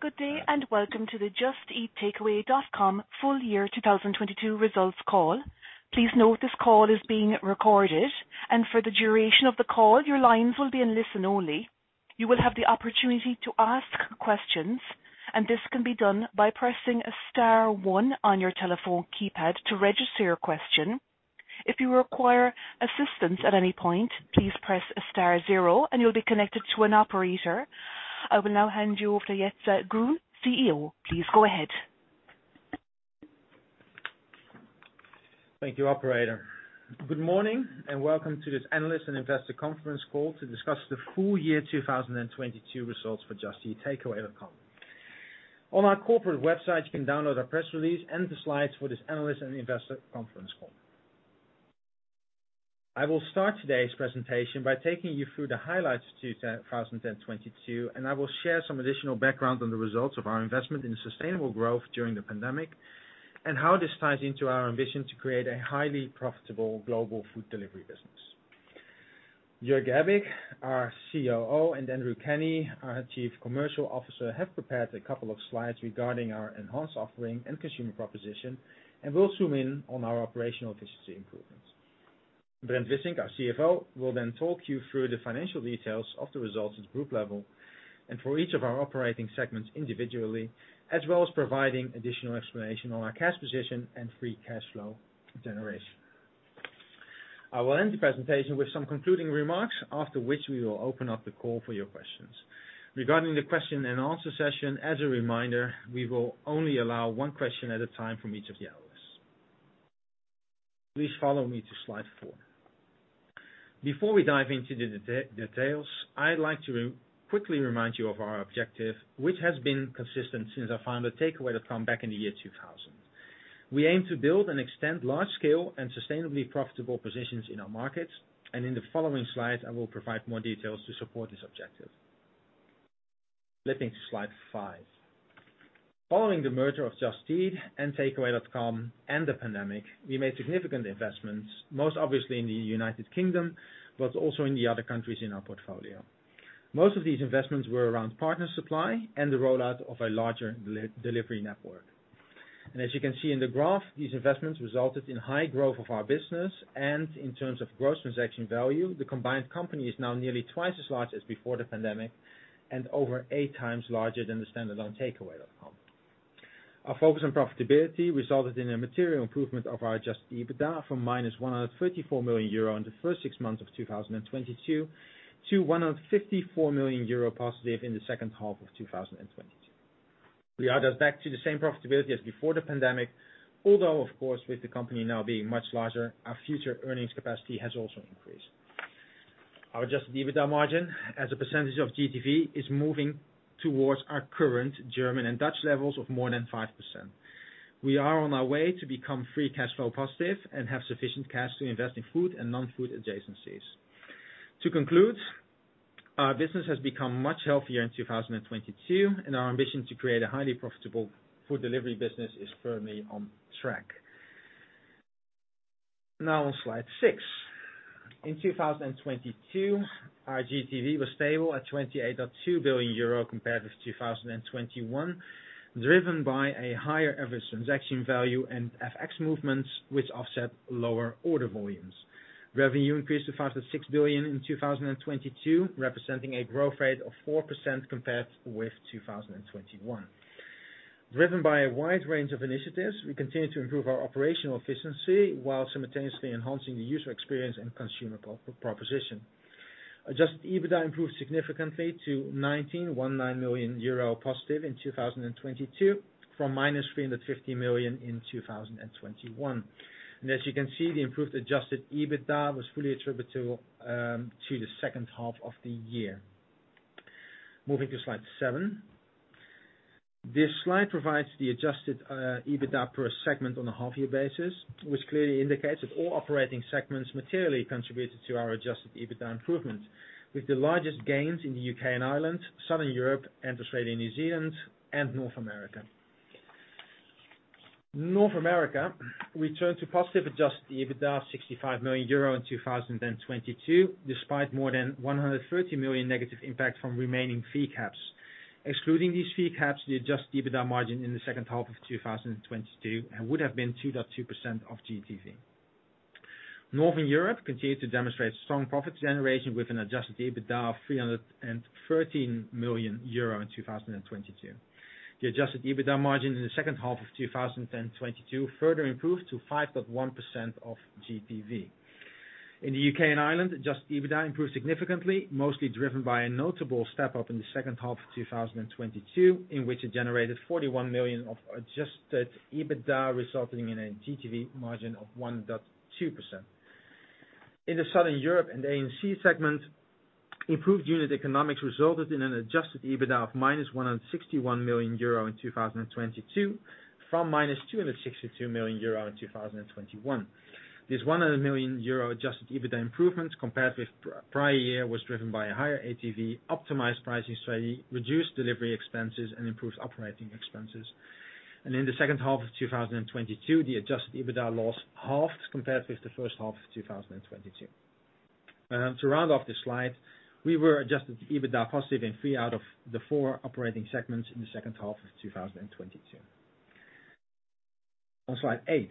Good day and welcome to the Just Eat Takeaway.com full year 2022 results call. Please note this call is being recorded. For the duration of the call, your lines will be in listen only. You will have the opportunity to ask questions, and this can be done by pressing star one on your telephone keypad to register your question. If you require assistance at any point, please press star zero and you'll be connected to an operator. I will now hand you over to Jitse Groen, CEO. Please go ahead. Thank you, operator. Good morning. Welcome to this analyst and investor conference call to discuss the full year 2022 results for Just Eat Takeaway.com. On our corporate website, you can download our press release and the slides for this analyst and investor conference call. I will start today's presentation by taking you through the highlights of 2022, and I will share some additional background on the results of our investment in sustainable growth during the pandemic, and how this ties into our ambition to create a highly profitable global food delivery business. Jörg Gerbig, our COO, and Andrew Kenny, our Chief Commercial Officer, have prepared a couple of slides regarding our enhanced offering and consumer proposition, and will zoom in on our operational efficiency improvements. Brent Wissink, our CFO, will talk you through the financial details of the results at group level and for each of our operating segments individually, as well as providing additional explanation on our cash position and free cash flow generation. I will end the presentation with some concluding remarks, after which we will open up the call for your questions. Regarding the question and answer session, as a reminder, we will only allow one question at a time from each of the analysts. Please follow me to slide four. Before we dive into the details, I'd like to quickly remind you of our objective, which has been consistent since I founded Takeaway.com back in the year 2000. We aim to build and extend large scale and sustainably profitable positions in our markets. In the following slides I will provide more details to support this objective. Flipping to slide five. Following the merger of Just Eat and Takeaway.com and the pandemic, we made significant investments, most obviously in the United Kingdom, but also in the other countries in our portfolio. Most of these investments were around partner supply and the rollout of a larger delivery network. As you can see in the graph, these investments resulted in high growth of our business and in terms of Gross Transaction Value, the combined company is now nearly twice as large as before the pandemic and over 8x larger than the standalone Takeaway.com. Our focus on profitability resulted in a material improvement of our Adjusted EBITDA from -134 million euro in the first six months of 2022 to 154 million euro positive in the second half of 2022. We are thus back to the same profitability as before the pandemic. Of course, with the company now being much larger, our future earnings capacity has also increased. Our Adjusted EBITDA margin as a percentage of GTV is moving towards our current German and Dutch levels of more than 5%. We are on our way to become Free Cash Flow positive and have sufficient cash to invest in food and non-food adjacencies. To conclude, our business has become much healthier in 2022, and our ambition to create a highly profitable food delivery business is firmly on track. Now on slide six. In 2022, our GTV was stable at 28.2 billion euro compared with 2021, driven by a higher average transaction value and FX movements which offset lower order volumes. Revenue increased to 5.6 billion in 2022, representing a growth rate of 4% compared with 2021. Driven by a wide range of initiatives, we continue to improve our operational efficiency while simultaneously enhancing the user experience and consumer pro-proposition. Adjusted EBITDA improved significantly to 19 million euro positive in 2022 from -350 million in 2021. As you can see, the improved Adjusted EBITDA was fully attributable to the second half of the year. Moving to slide seven. This slide provides the Adjusted EBITDA per segment on a half year basis, which clearly indicates that all operating segments materially contributed to our Adjusted EBITDA improvement, with the largest gains in the U.K. and Ireland, Southern Europe and Australia, New Zealand and North America. North America returned to positive Adjusted EBITDA of 65 million euro in 2022, despite more than 130 million negative impact from remaining fee caps. Excluding these fee caps, the Adjusted EBITDA margin in the second half of 2022 would have been 2.2% of GTV. Northern Europe continued to demonstrate strong profit generation with an Adjusted EBITDA of 313 million euro in 2022. The Adjusted EBITDA margin in the second half of 2022 further improved to 5.1% of GTV. In the U.K. and Ireland, Adjusted EBITDA improved significantly, mostly driven by a notable step up in the second half of 2022, in which it generated 41 million of Adjusted EBITDA, resulting in a GTV margin of 1.2%. In the Southern Europe and ANZ segment, improved unit economics resulted in an Adjusted EBITDA of -161 million euro in 2022 from -262 million euro in 2021. This 100 million euro Adjusted EBITDA improvement compared with prior year was driven by a higher ATV, optimized pricing strategy, reduced delivery expenses and improved operating expenses. In the second half of 2022, the Adjusted EBITDA loss halved compared with the first half of 2022. To round off this slide, we were Adjusted EBITDA positive in three out of the four operating segments in the second half of 2022. On slide eight,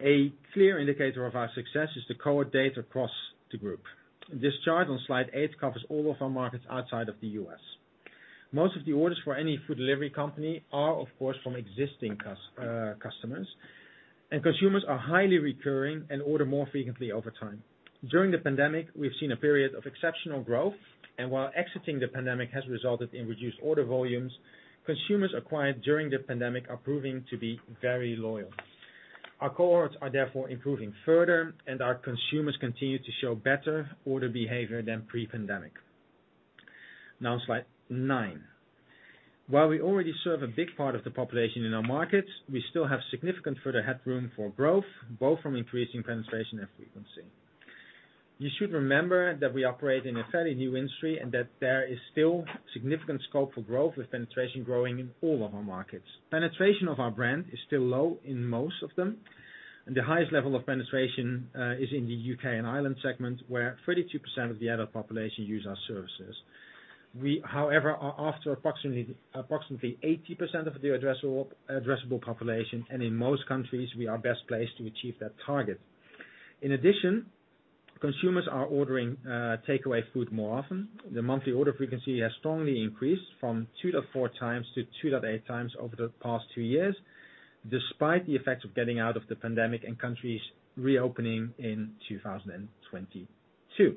a clear indicator of our success is the cohort date across the group. This chart on slide eight covers all of our markets outside of the U.S. Most of the orders for any food delivery company are, of course, from existing customers, and consumers are highly recurring and order more frequently over time. During the pandemic, we've seen a period of exceptional growth, and while exiting the pandemic has resulted in reduced order volumes, consumers acquired during the pandemic are proving to be very loyal. Our cohorts are therefore improving further, and our consumers continue to show better order behavior than pre-pandemic. Slide nine. While we already serve a big part of the population in our markets, we still have significant further headroom for growth, both from increasing penetration and frequency. You should remember that we operate in a fairly new industry and that there is still significant scope for growth with penetration growing in all of our markets. Penetration of our brand is still low in most of them. The highest level of penetration is in the U.K. and Ireland segment, where 32% of the adult population use our services. We, however, are after approximately 80% of the addressable population. In most countries, we are best placed to achieve that target. In addition, consumers are ordering takeaway food more often. The monthly order frequency has strongly increased from 2x-4x to 2x-8x over the past two years, despite the effects of getting out of the pandemic and countries reopening in 2022.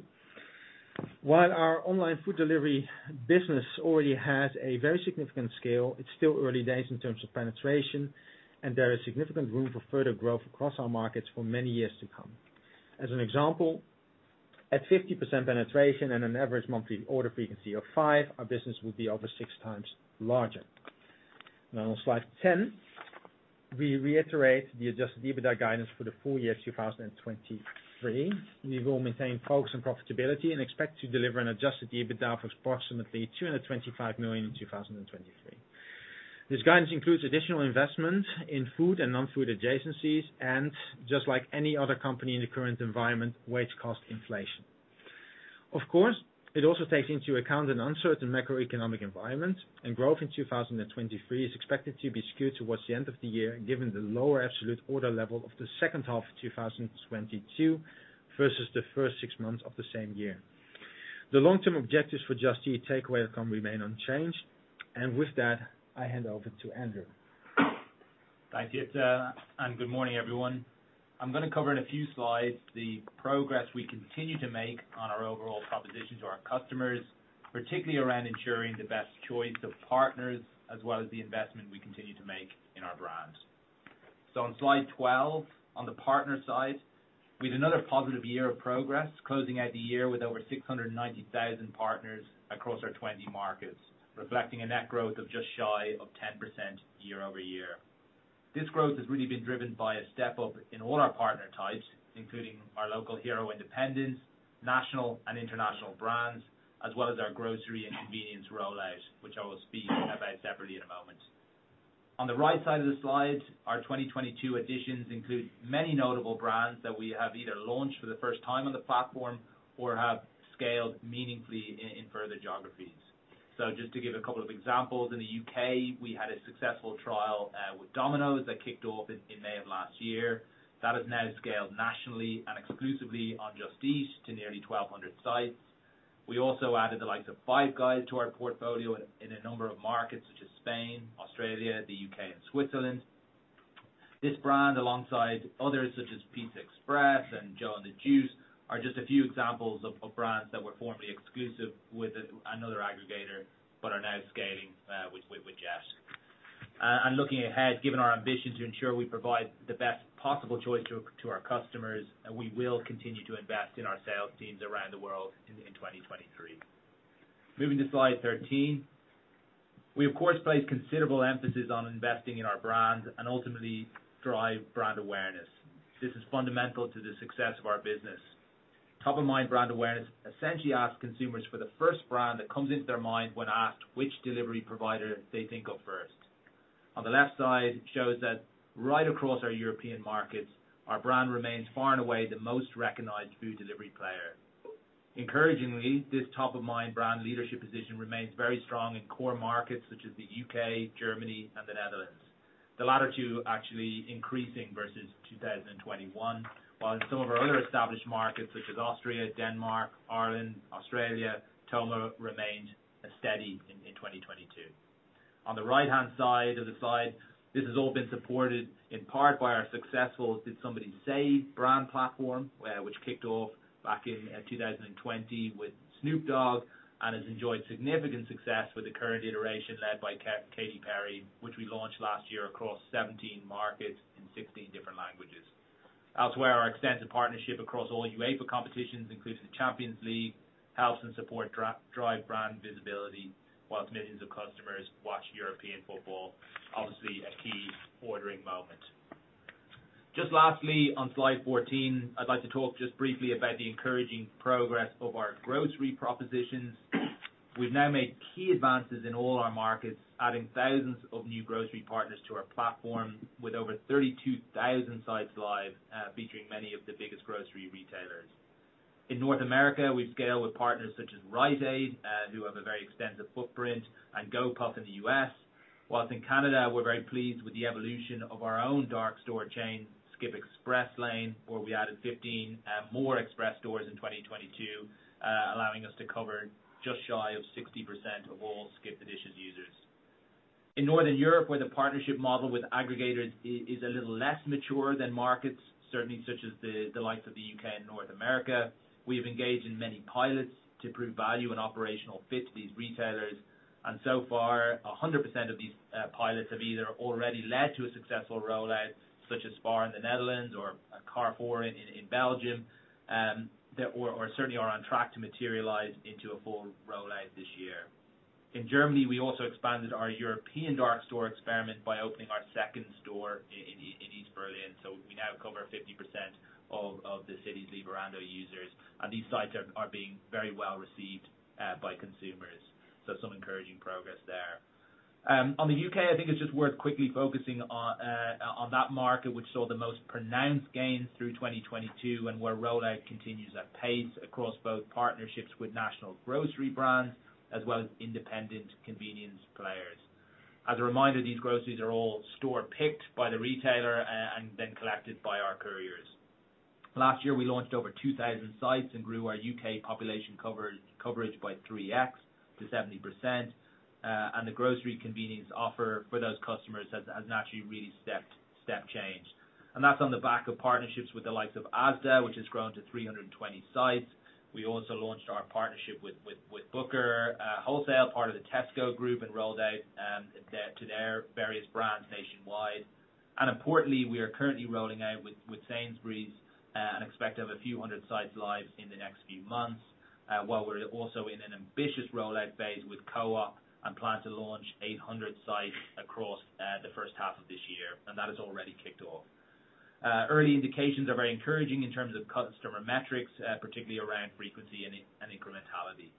While our online food delivery business already has a very significant scale, it's still early days in terms of penetration. There is significant room for further growth across our markets for many years to come. As an example, at 50% penetration and an average monthly order frequency of 5, our business will be over 6x larger. On slide 10, we reiterate the Adjusted EBITDA guidance for the full year 2023. We will maintain focus on profitability and expect to deliver an Adjusted EBITDA of approximately 225 million in 2023. This guidance includes additional investment in food and non-food adjacencies, and just like any other company in the current environment, wage cost inflation. It also takes into account an uncertain macroeconomic environment. Growth in 2023 is expected to be skewed towards the end of the year, given the lower absolute order level of the second half of 2022 versus the first six months of the same year. The long-term objectives for Just Eat Takeaway.com remain unchanged. With that, I hand over to Andrew Kenny. Thank you, and good morning, everyone. I'm gonna cover in a few slides the progress we continue to make on our overall proposition to our customers, particularly around ensuring the best choice of partners, as well as the investment we continue to make in our brand. On slide 12, on the partner side, with another positive year of progress, closing out the year with over 690,000 partners across our 20 markets, reflecting a net growth of just shy of 10% year-over-year. This growth has really been driven by a step up in all our partner types, including our local hero independents, national and international brands, as well as our grocery and convenience rollout, which I will speak about separately in a moment. On the right side of the slide, our 2022 additions include many notable brands that we have either launched for the first time on the platform or have scaled meaningfully in further geographies. Just to give a couple of examples, in the U.K., we had a successful trial with Domino's that kicked off in May of last year. That has now scaled nationally and exclusively on Just Eat to nearly 1,200 sites. We also added the likes of Five Guys to our portfolio in a number of markets such as Spain, Australia, the U.K., and Switzerland. This brand, alongside others such as PizzaExpress and JOE & THE JUICE, are just a few examples of brands that were formerly exclusive with another aggregator but are now scaling with Just. Looking ahead, given our ambition to ensure we provide the best possible choice to our customers, we will continue to invest in our sales teams around the world in 2023. Moving to slide 13. We, of course, place considerable emphasis on investing in our brand and ultimately drive brand awareness. This is fundamental to the success of our business. Top-of-Mind brand awareness essentially asks consumers for the first brand that comes into their mind when asked which delivery provider they think of first. On the left side, it shows that right across our European markets, our brand remains far and away the most recognized food delivery player. Encouragingly, this Top-of-Mind brand leadership position remains very strong in core markets such as the U.K., Germany, and the Netherlands. The latter two actually increasing versus 2021, while in some of our other established markets, such as Austria, Denmark, Ireland, Australia, TOMA remained steady in 2022. On the right-hand side of the slide, this has all been supported in part by our successful Did Somebody Say brand platform, which kicked off back in 2020 with Snoop Dogg and has enjoyed significant success with the current iteration led by Katy Perry, which we launched last year across 17 markets in 16 different languages. Our extensive partnership across all UEFA competitions, including the Champions League, helps and support drive brand visibility, while millions of customers watch European football, obviously a key ordering moment. Just lastly, on slide 14, I'd like to talk just briefly about the encouraging progress of our grocery propositions. We've now made key advances in all our markets, adding thousands of new grocery partners to our platform with over 32,000 sites live, featuring many of the biggest grocery retailers. In North America, we've scaled with partners such as Rite Aid, who have a very extensive footprint, and Gopuff in the U.S. Whilst in Canada, we're very pleased with the evolution of our own dark store chain, Skip Express Lane, where we added 15 more express stores in 2022, allowing us to cover just shy of 60% of all SkipTheDishes users. In Northern Europe, where the partnership model with aggregators is a little less mature than markets, certainly such as the likes of the U.K. and North America, we have engaged in many pilots to prove value and operational fit to these retailers. So far, 100% of these pilots have either already led to a successful rollout, such as Spar in the Netherlands or Carrefour in Belgium, that were or certainly are on track to materialize into a full rollout this year. In Germany, we also expanded our European dark store experiment by opening our second store in East Berlin, so we now cover 50% of the city's Lieferando users. These sites are being very well received by consumers. Some encouraging progress there. On the U.K., I think it's just worth quickly focusing on that market, which saw the most pronounced gains through 2022, and where rollout continues at pace across both partnerships with national grocery brands, as well as independent convenience players. As a reminder, these groceries are all store picked by the retailer and then collected by our couriers. Last year, we launched over 2,000 sites and grew our U.K. population coverage by 3x to 70%. That's on the back of partnerships with the likes of Asda, which has grown to 320 sites. We also launched our partnership with Booker, wholesale, part of the Tesco Group, and rolled out to their various brands nationwide. Importantly, we are currently rolling out with Sainsbury's and expect to have a few hundred sites live in the next few months, while we're also in an ambitious rollout phase with Co-op and plan to launch 800 sites across the first half of this year, and that has already kicked off. Early indications are very encouraging in terms of customer metrics, particularly around frequency and incrementality.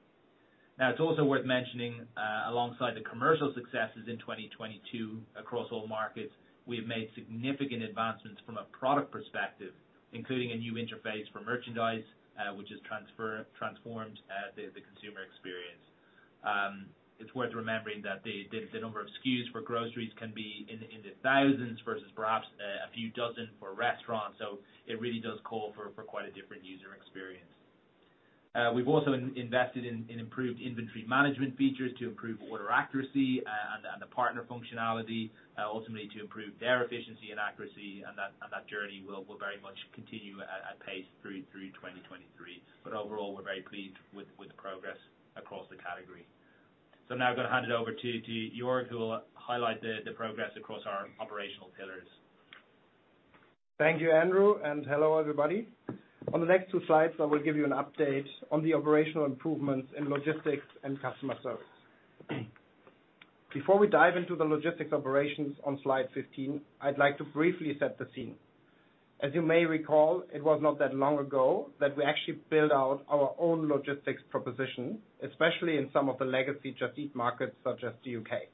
It's also worth mentioning, alongside the commercial successes in 2022 across all markets, we have made significant advancements from a product perspective, including a new interface for merchandise, which has transformed the consumer experience. It's worth remembering that the number of SKUs for groceries can be in the thousands versus perhaps a few dozen for restaurants. It really does call for quite a different user experience. We've also invested in improved inventory management features to improve order accuracy, and the partner functionality, ultimately to improve their efficiency and accuracy, and that journey will very much continue at pace through 2023. Overall, we're very pleased with the progress across the category. Now I'm gonna hand it over to Jörg Gerbig, who will highlight the progress across our operational pillars. Thank you, Andrew Kenny. Hello, everybody. On the next two. Slides, I will give you an update on the operational improvements in logistics and customer service. Before we dive into the logistics operations on slide 15, I'd like to briefly set the scene. As you may recall, it was not that long ago that we actually built out our own logistics proposition, especially in some of the legacy Just Eat markets, such as the U.K.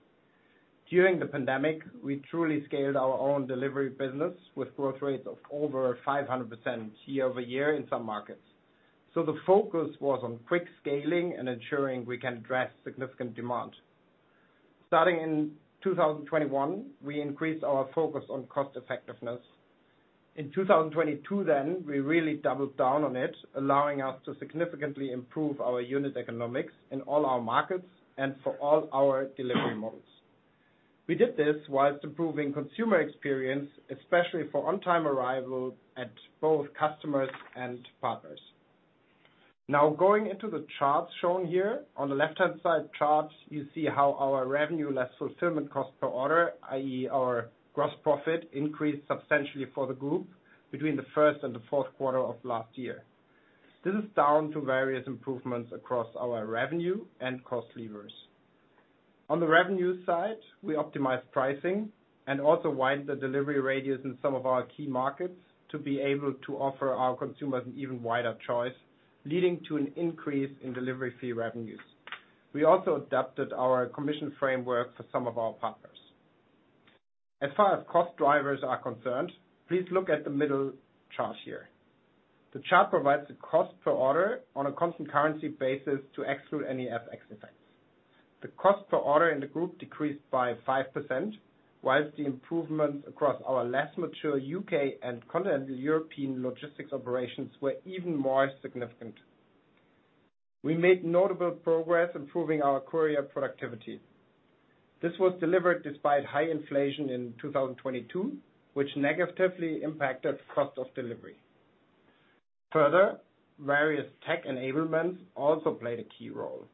During the pandemic, we truly scaled our own delivery business with growth rates of over 500% year-over-year in some markets. The focus was on quick scaling and ensuring we can address significant demand. Starting in 2021, we increased our focus on cost effectiveness. In 2022, we really doubled down on it, allowing us to significantly improve our unit economics in all our markets and for all our delivery models. We did this whilst improving consumer experience, especially for on-time arrival at both customers and partners. Going into the charts shown here, on the left-hand side charts, you see how our revenue less fulfillment cost per order, i.e., our gross profit increased substantially for the group between the first and the fourth quarter of last year. This is down to various improvements across our revenue and cost levers. On the revenue side, we optimized pricing and also widened the delivery radius in some of our key markets to be able to offer our consumers an even wider choice, leading to an increase in delivery fee revenues. We also adapted our commission framework for some of our partners. As far as cost drivers are concerned, please look at the middle chart here. The chart provides the cost per order on a constant currency basis to exclude any FX effects. The cost per order in the group decreased by 5%, whilst the improvement across our less mature U.K. and Continental European logistics operations were even more significant. We made notable progress improving our courier productivity. This was delivered despite high inflation in 2022, which negatively impacted cost of delivery. Various tech enablements also played a key role.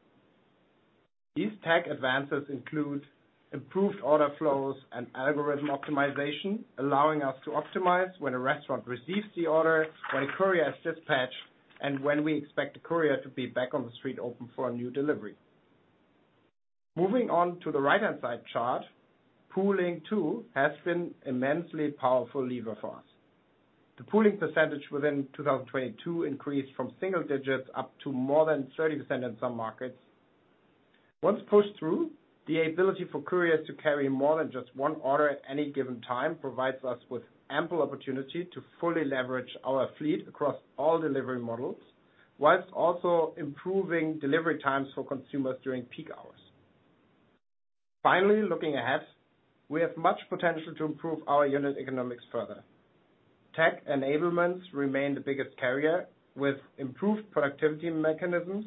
These tech advances include improved order flows and algorithm optimization, allowing us to optimize when a restaurant receives the order, when a courier is dispatched, and when we expect a courier to be back on the street open for a new delivery. Pooling too has been immensely powerful lever for us. The pooling percentage within 2022 increased from single digits up to more than 30% in some markets. Once pushed through, the ability for couriers to carry more than just one order at any given time provides us with ample opportunity to fully leverage our fleet across all delivery models, whilst also improving delivery times for consumers during peak hours. Looking ahead, we have much potential to improve our unit economics further. Tech enablements remain the biggest carrier, with improved productivity mechanisms,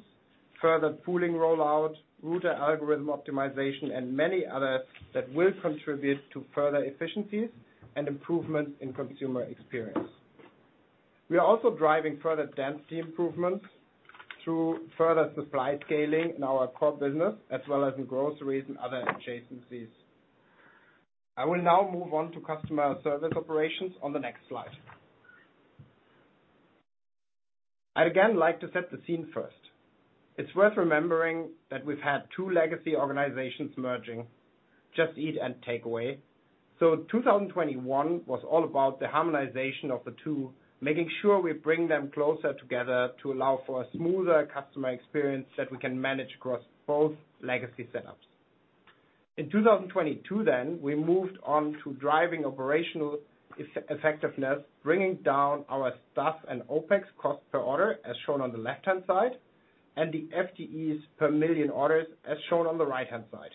further pooling rollout, router algorithm optimization, and many others that will contribute to further efficiencies and improvements in consumer experience. We are also driving further density improvements through further supply scaling in our core business, as well as in groceries and other adjacencies. I will now move on to customer service operations on the next slide. I'd again like to set the scene first. It's worth remembering that we've had two legacy organizations merging, Just Eat and Takeaway. 2021 was all about the harmonization of the two, making sure we bring them closer together to allow for a smoother customer experience that we can manage across both legacy setups. In 2022 then, we moved on to driving operational effectiveness, bringing down our staff and OPEX cost per order, as shown on the left-hand side, and the FTEs per million orders, as shown on the right-hand side.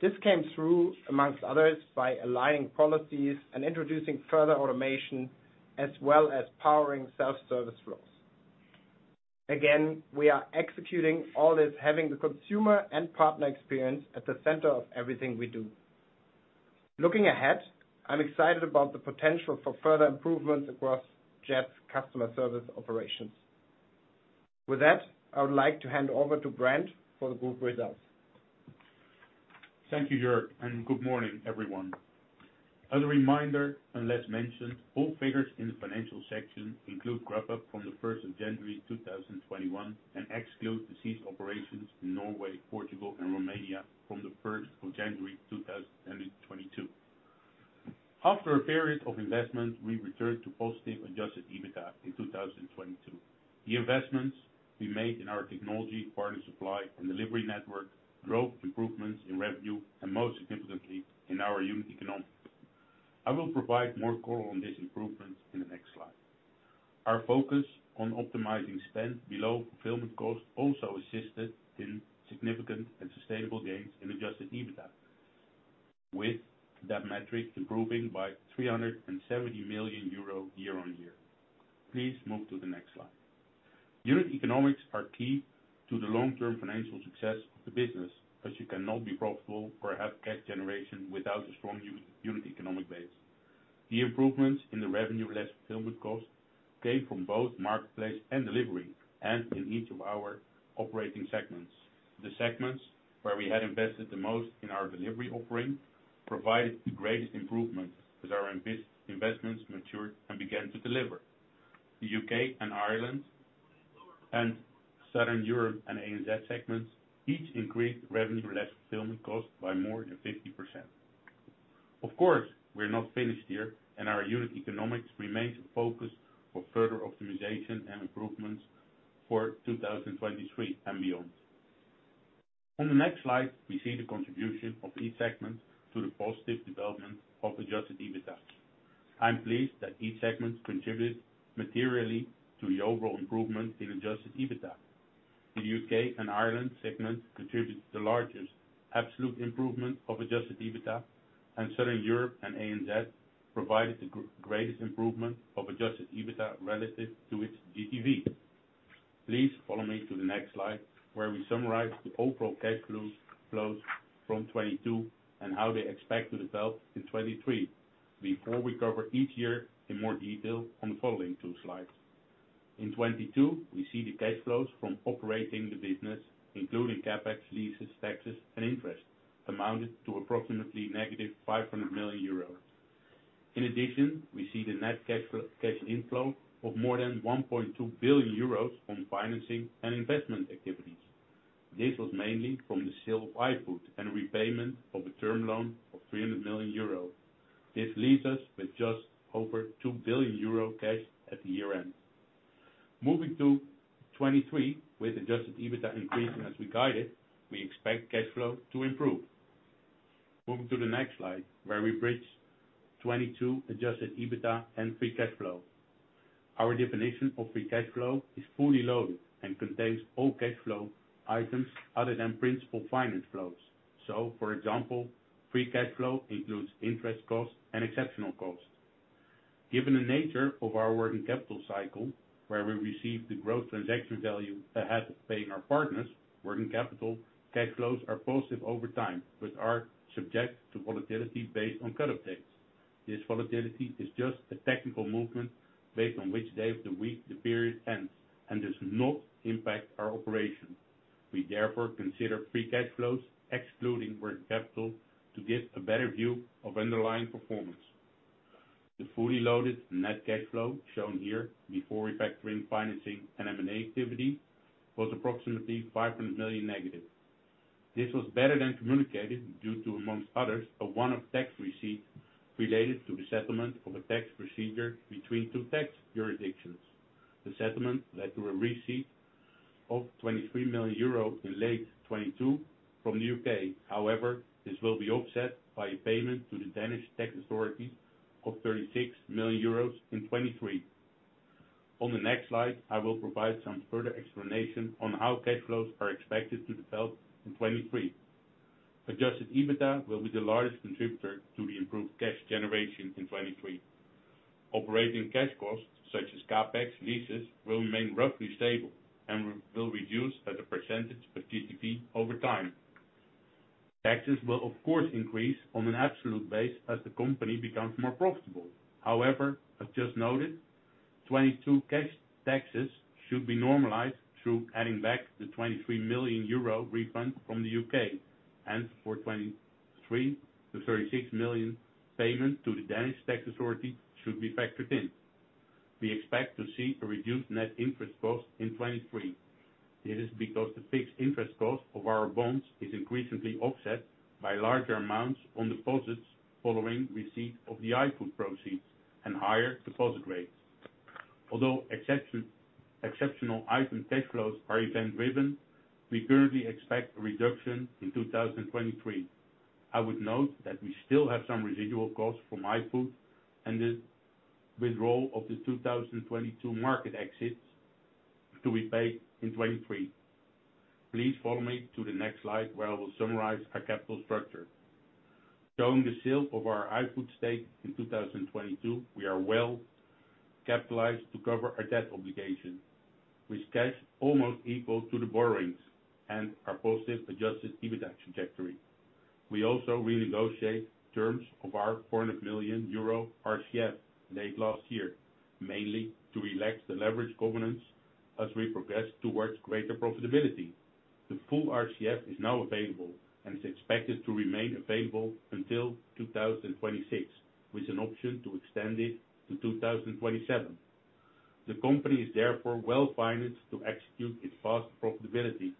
This came through, amongst others, by aligning policies and introducing further automation, as well as powering self-service flows. Again, we are executing all this, having the consumer and partner experience at the center of everything we do. Looking ahead, I'm excited about the potential for further improvements across JET's customer service operations. With that, I would like to hand over to Brent Wissink for the group results. Thank you, Jörg Gerbig. Good morning, everyone. As a reminder, unless mentioned, all figures in the financial section include Grubhub from January1st, 2021 and exclude the ceased operations in Norway, Portugal, and Romania from January 1st, 2022. After a period of investment, we returned to positive Adjusted EBITDA in 2022. The investments we made in our technology, partner supply, and delivery network drove improvements in revenue and, most significantly, in our unit economics. I will provide more color on these improvements in the next slide. Our focus on optimizing spend below fulfillment cost also assisted in significant and sustainable gains in Adjusted EBITDA, with that metric improving by 370 million euro year-over-year. Please move to the next slide. Unit economics are key to the long-term financial success of the business, as you cannot be profitable or have cash generation without a strong unit economic base. The improvements in the revenue less fulfillment cost came from both marketplace and delivery, and in each of our operating segments. The segments where we had invested the most in our delivery offering provided the greatest improvements as our investments matured and began to deliver. The U.K. and Ireland and Southern Europe and ANZ segments each increased revenue less fulfillment cost by more than 50%. We're not finished here, and our unit economics remains a focus for further optimization and improvements for 2023 and beyond. On the next slide, we see the contribution of each segment to the positive development of Adjusted EBITDA. I'm pleased that each segment contributed materially to the overall improvement in Adjusted EBITDA. The U.K. and Ireland segment contributed the largest absolute improvement of Adjusted EBITDA, and Southern Europe and ANZ provided the greatest improvement of Adjusted EBITDA relative to its GTV. Please follow me to the next slide, where we summarize the overall cash flows from 2022 and how they expect to develop in 2023, before we cover each year in more detail on the following two slides. In 2022, we see the cash flows from operating the business, including CapEx, leases, taxes, and interest, amounted to approximately negative 500 million euros. In addition, we see the net cash inflow of more than 1.2 billion euros from financing and investment activities. This was mainly from the sale of iFood and repayment of a term loan of 300 million euro. This leaves us with just over 2 billion euro cash at the year end. Moving to 2023, with Adjusted EBITDA increasing as we guided, we expect cash flow to improve. Moving to the next slide, where we bridge 2022 Adjusted EBITDA and Free Cash Flow. Our definition of free cash flow is fully loaded and contains all cash flow items other than principal finance flows. For example, free cash flow includes interest costs and exceptional costs. Given the nature of our working capital cycle, where we receive the Gross Transaction Value ahead of paying our partners, working capital cash flows are positive over time, but are subject to volatility based on cut updates. This volatility is just a technical movement based on which day of the week the period ends and does not impact our operations. We therefore consider free cash flows excluding working capital to give a better view of underlying performance. The fully loaded net cash flow shown here before refactoring financing and M&A activity was approximately 500 million negative. This was better than communicated due to, among others, a one-off tax receipt related to the settlement of a tax procedure between two tax jurisdictions. The settlement led to a receipt of 23 million euro in late 2022 from the U.K. This will be offset by a payment to the Danish tax authorities of 36 million euros in 2023. On the next slide, I will provide some further explanation on how cash flows are expected to develop in 2023. Adjusted EBITDA will be the largest contributor to the improved cash generation in 2023. Operating cash costs, such as CapEx leases, will remain roughly stable and will reduce as a percentage of GTV over time. Taxes will of course, increase on an absolute base as the company becomes more profitable. However, as just noted, 2022 cash taxes should be normalized through adding back the 23 million euro refund from the U.K. For 2023, the 36 million payment to the Danish tax authority should be factored in. We expect to see a reduced net interest cost in 2023. It is because the fixed interest cost of our bonds is increasingly offset by larger amounts on deposits following receipt of the iFood proceeds and higher deposit rates. Although exceptional item tax flows are event-driven, we currently expect a reduction in 2023. I would note that we still have some residual costs from iFood and the withdrawal of the 2022 market exits to be paid in 2023. Please follow me to the next slide, where I will summarize our capital structure. Showing the sale of our iFood stake in 2022, we are well capitalized to cover our debt obligation, with cash almost equal to the borrowings and our positive Adjusted EBITDA trajectory. We also renegotiate terms of our 400 million euro RCF late last year, mainly to relax the leverage covenants as we progress towards greater profitability. The full RCF is now available and is expected to remain available until 2026, with an option to extend it to 2027. The company is therefore well-financed to execute its fast profitability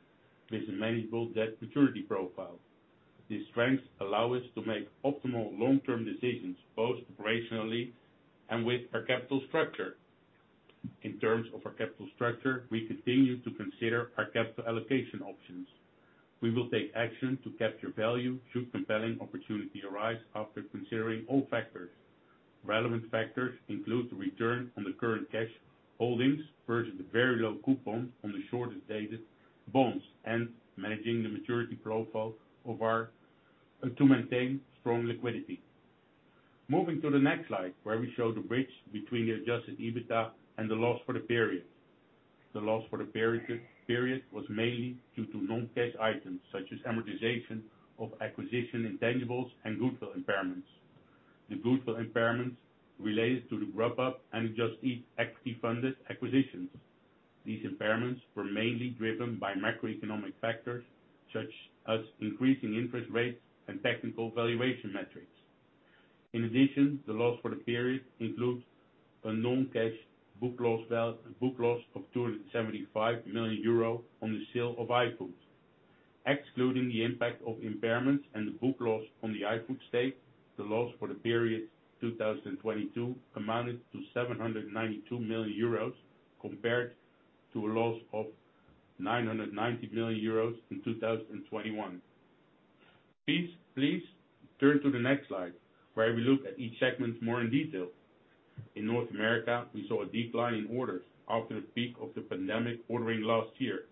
with a manageable debt maturity profile. These strengths allow us to make optimal long-term decisions, both operationally and with our capital structure. In terms of our capital structure, we continue to consider our capital allocation options. We will take action to capture value should compelling opportunity arise after considering all factors. Relevant factors include the return on the current cash holdings versus the very low coupon on the shortest dated bonds and managing the maturity profile to maintain strong liquidity. Moving to the next slide, where we show the bridge between the Adjusted EBITDA and the loss for the period. The loss for the period was mainly due to non-cash items, such as amortization of acquisition intangibles and goodwill impairments. The goodwill impairments related to the Grubhub and Just Eat equity funded acquisitions. These impairments were mainly driven by macroeconomic factors, such as increasing interest rates and technical valuation metrics. In addition, the loss for the period includes a non-cash book loss, well, a book loss of 275 million euro on the sale of iFood. Excluding the impact of impairments and the book loss on the iFood stake, the loss for the period 2022 amounted to 792 million euros, compared to a loss of 990 million euros in 2021. Please turn to the next slide, where we look at each segment more in detail. In North America, we saw a decline in orders after the peak of the pandemic ordering last year.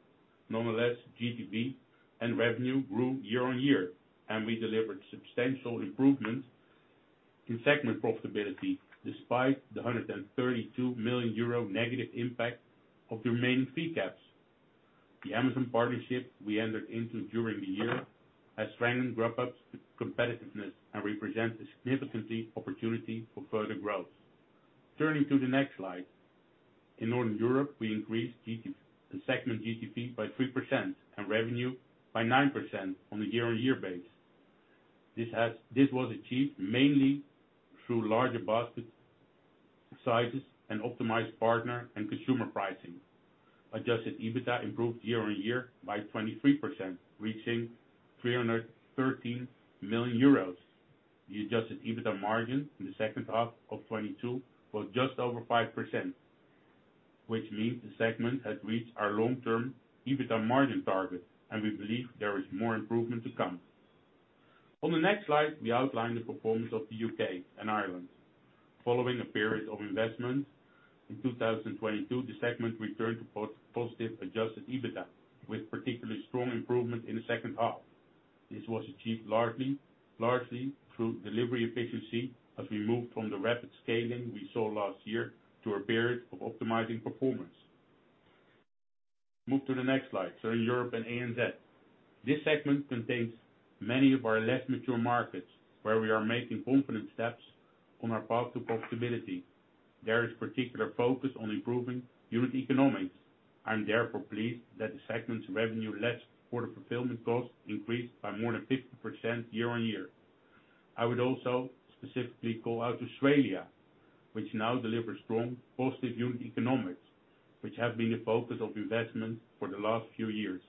Nonetheless, GTV and revenue grew year on year, and we delivered substantial improvements in segment profitability despite the 132 million euro negative impact of the remaining fee caps. The Amazon partnership we entered into during the year has strengthened Grubhub's competitiveness and represents a significantly opportunity for further growth. Turning to the next slide. In Northern Europe, we increased the segment GTV by 3% and revenue by 9% on a year-on-year base. This was achieved mainly through larger basket sizes and optimized partner and consumer pricing. Adjusted EBITDA improved year-on-year by 23%, reaching 313 million euros. The Adjusted EBITDA margin in the second half of 2022 was just over 5%, which means the segment has reached our long-term EBITDA margin target. We believe there is more improvement to come. On the next slide, we outline the performance of the U.K. and Ireland. Following a period of investment in 2022, the segment returned to positive Adjusted EBITDA, with particularly strong improvement in the second half. This was achieved largely through delivery efficiency as we moved from the rapid scaling we saw last year to a period of optimizing performance. Move to the next slide. In Europe and ANZ. This segment contains many of our less mature markets where we are making confident steps on our path to profitability. There is particular focus on improving unit economics. I'm therefore pleased that the segment's revenue less order fulfillment costs increased by more than 50% year-on-year. I would also specifically call out Australia, which now delivers strong positive unit economics, which have been the focus of investment for the last few years.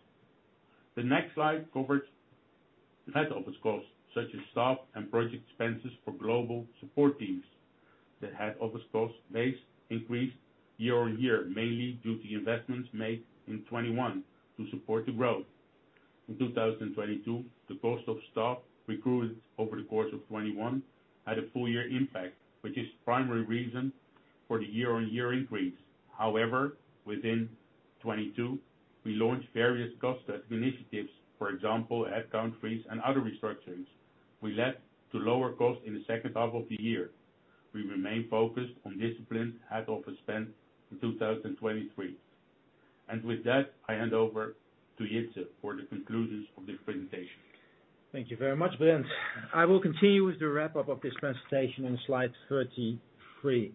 The next slide covers head office costs, such as staff and project expenses for global support teams. The head office cost base increased year-over-year, mainly due to investments made in 2021 to support the growth. In 2022, the cost of staff recruited over the course of 2021 had a full year impact, which is primary reason for the year-over-year increase. However, within 2022 we launched various cost initiatives, for example, headcount freeze and other restructurings, which led to lower cost in the second half of the year. We remain focused on disciplined head office spend in 2023. With that, I hand over to Jitse Groen for the conclusions of this presentation. Thank you very much, Brent Wissink. I will continue with the wrap up of this presentation on slide 33.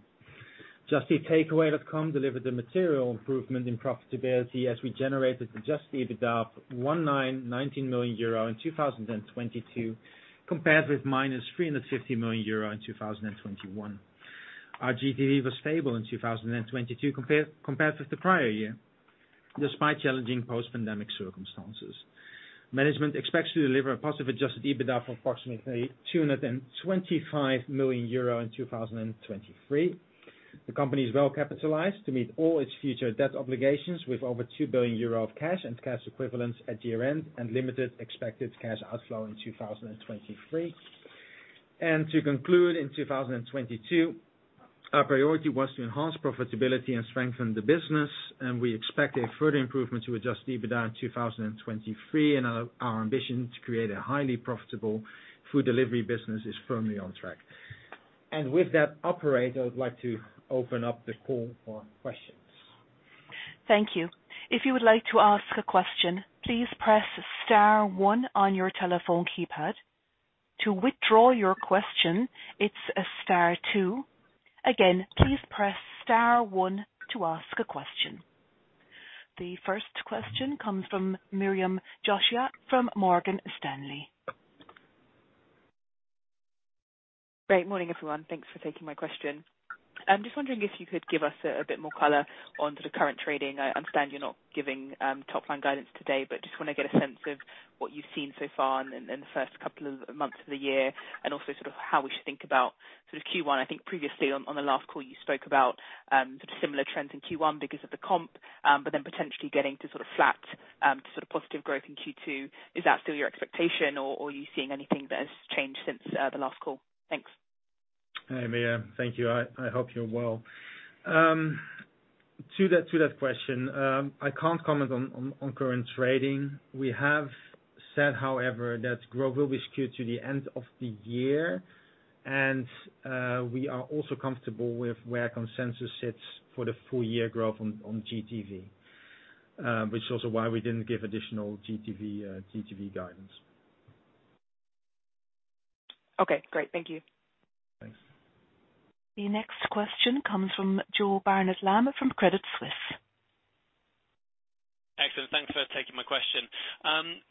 Just Eat Takeaway.com delivered a material improvement in profitability as we generated Adjusted EBITDA of 19 million euro in 2022, compared with -350 million euro in 2021. Our GTV was stable in 2022 compared with the prior year, despite challenging post pandemic circumstances. Management expects to deliver a positive Adjusted EBITDA of approximately 225 million euro in 2023. The company is well capitalized to meet all its future debt obligations with over 2 billion euro of cash and cash equivalents at year-end and limited expected cash outflow in 2023. To conclude, in 2022, our priority was to enhance profitability and strengthen the business, we expect a further improvement to Adjusted EBITDA in 2023. Our ambition to create a highly profitable food delivery business is firmly on track. With that, operator, I would like to open up the call for questions. Thank you. If you would like to ask a question, please press star one on your telephone keypad. To withdraw your question, it's star two. Please press star one to ask a question. The first question comes from Miriam Josiah from Morgan Stanley. Great morning, everyone. Thanks for taking my question. I'm just wondering if you could give us a bit more color on the current trading. I understand you're not giving top line guidance today, but just want to get a sense of what you've seen so far in the first couple of months of the year and also sort of how we should think about sort of Q1. I think previously on the last call you spoke about sort of similar trends in Q1 because of the comp, but then potentially getting to sort of flat to sort of positive growth in Q2. Is that still your expectation or are you seeing anything that has changed since the last call? Thanks. Hey, Miriam Josiah. Thank you. I hope you're well. To that question, I can't comment on current trading. We have said, however, that growth will be skewed to the end of the year. We are also comfortable with where consensus sits for the full year growth on GTV, which is also why we didn't give additional GTV guidance. Okay, great. Thank you. Thanks. The next question comes from Joe Barnet-Lamb from Credit Suisse. Excellent. Thanks for taking my question.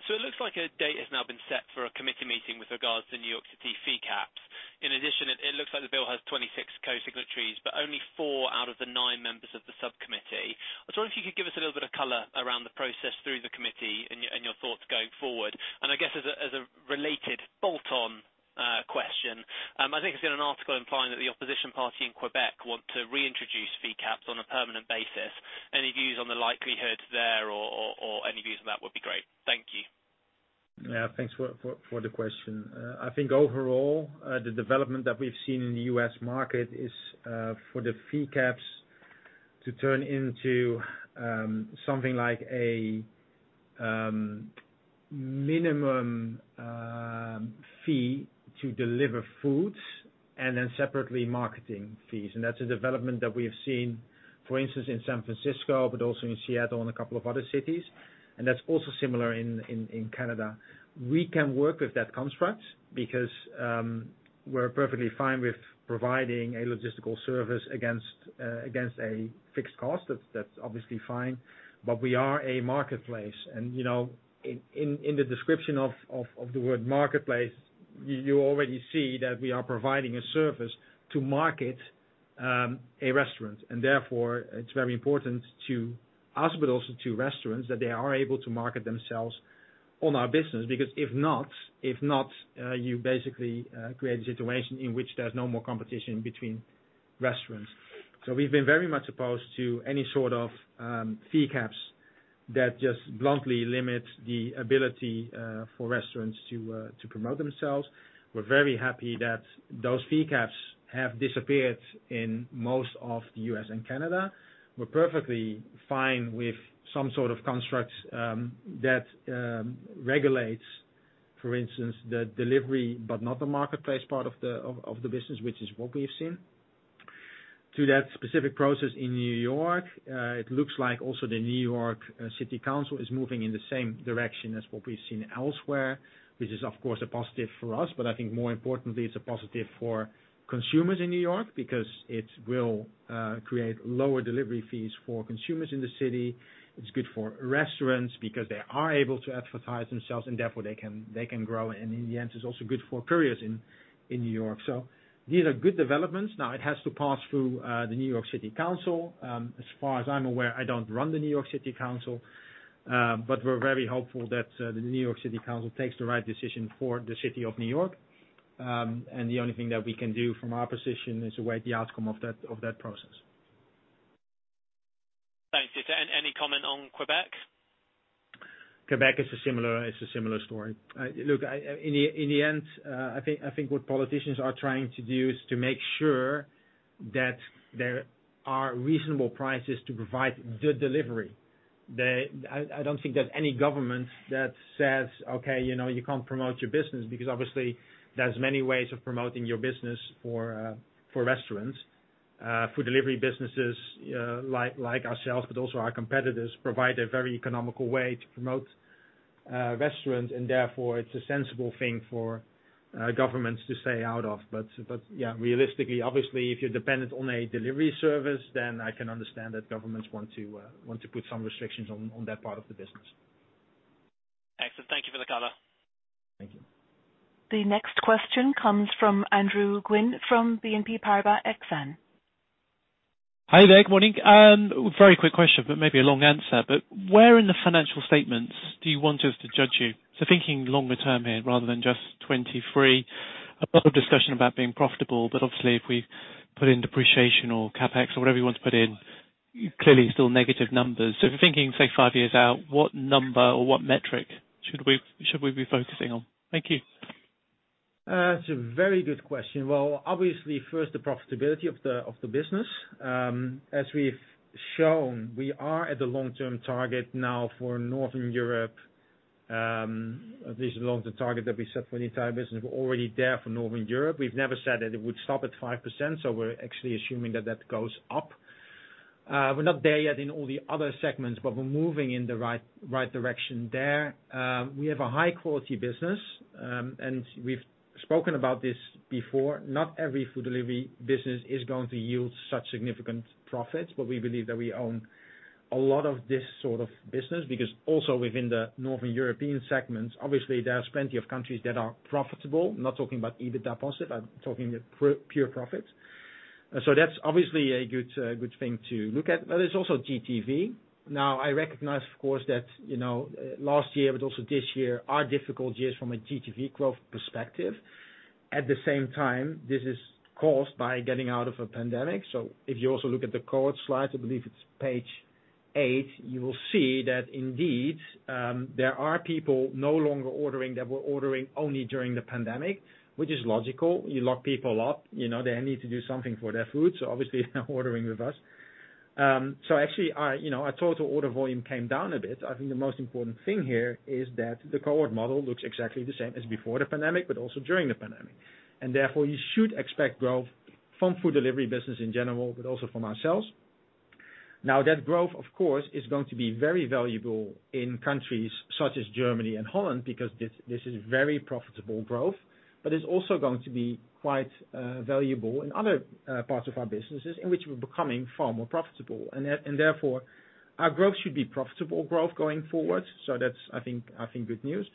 It looks like a date has now been set for a committee meeting with regards to New York City fee caps. In addition, it looks like the bill has 26 co-signatories, but only four out of the nine members of the subcommittee. I was wondering if you could give us a little bit of color around the process through the committee and your thoughts going forward. I guess as a, as a related bolt on, question, I think I saw an article implying that the opposition party in Quebec want to reintroduce fee caps on a permanent basis. Any views on the likelihood there or any views on that would be great. Thank you. Thanks for the question. I think overall, the development that we've seen in the U.S. market is for the fee caps to turn into something like a minimum fee to deliver food and then separately marketing fees. That's a development that we have seen, for instance, in San Francisco, but also in Seattle and a couple of other cities. That's also similar in Canada. We can work with that construct because we're perfectly fine with providing a logistical service against a fixed cost. That's obviously fine. We are a marketplace. You know, in the description of the word marketplace, you already see that we are providing a service to market a restaurant. Therefore it's very important to us, but also to restaurants, that they are able to market themselves on our business. If not, you basically create a situation in which there's no more competition between restaurants. We've been very much opposed to any sort of fee caps that just bluntly limits the ability for restaurants to promote themselves. We're very happy that those fee caps have disappeared in most of the U.S. and Canada. We're perfectly fine with some sort of construct that regulates, for instance, the delivery, but not the marketplace part of the business, which is what we've seen. To that specific process in New York, it looks like also the New York City Council is moving in the same direction as what we've seen elsewhere, which is of course, a positive for us. I think more importantly, it's a positive for consumers in New York because it will create lower delivery fees for consumers in the city. It's good for restaurants because they are able to advertise themselves and therefore they can grow. In the end, it's also good for couriers in New York. These are good developments. Now it has to pass through the New York City Council. As far as I'm aware, I don't run the New York City Council, but we're very hopeful that the New York City Council takes the right decision for the city of New York. The only thing that we can do from our position is await the outcome of that, of that process. Thanks. Is there any comment on Quebec? Quebec is a similar story. Look, I, in the end, I think what politicians are trying to do is to make sure that there are reasonable prices to provide good delivery. I don't think there's any government that says, "Okay, you know, you can't promote your business," because obviously there's many ways of promoting your business for restaurants. Food delivery businesses, like ourselves, but also our competitors, provide a very economical way to promote, restaurants, and therefore it's a sensible thing for governments to stay out of. Yeah, realistically, obviously, if you're dependent on a delivery service, then I can understand that governments want to put some restrictions on that part of the business. Excellent. Thank you for the color. Thank you. The next question comes from Andrew Gwynn from Exane BNP Paribas. Hi there. Good morning. very quick question, but maybe a long answer. Where in the financial statements do you want us to judge you? Thinking longer term here rather than just 2023. A lot of discussion about being profitable, obviously if we put in depreciation or CapEx or whatever you want to put in, clearly still negative numbers. Thinking, say five years out, what number or what metric should we be focusing on? Thank you. It's a very good question. Well, obviously first the profitability of the business. As we've shown, we are at the long-term target now for Northern Europe. This is along the target that we set for the entire business. We're already there for Northern Europe. We've never said that it would stop at 5%, so we're actually assuming that that goes up. We're not there yet in all the other segments, but we're moving in the right direction there. We have a high quality business, and we've spoken about this before. Not every food delivery business is going to yield such significant profits, but we believe that we own a lot of this sort of business, because also within the Northern European segments, obviously there's plenty of countries that are profitable. I'm not talking about EBITDA positive, I'm talking pure profit. That's obviously a good thing to look at. There's also GTV. I recognize, of course, that, you know, last year, but also this year, are difficult years from a GTV growth perspective. At the same time, this is caused by getting out of a pandemic. If you also look at the code slide, I believe it's page eight, you will see that indeed, there are people no longer ordering that were ordering only during the pandemic, which is logical. You lock people up, you know, they need to do something for their food, so obviously they're ordering with us. Actually, our, you know, our total order volume came down a bit. I think the most important thing here is that the cohort model looks exactly the same as before the pandemic, but also during the pandemic. Therefore you should expect growth from food delivery business in general, but also from ourselves. That growth, of course, is going to be very valuable in countries such as Germany and Holland because this is very profitable growth. It's also going to be quite valuable in other parts of our businesses in which we're becoming far more profitable. Therefore, our growth should be profitable growth going forward. That's, I think, good news.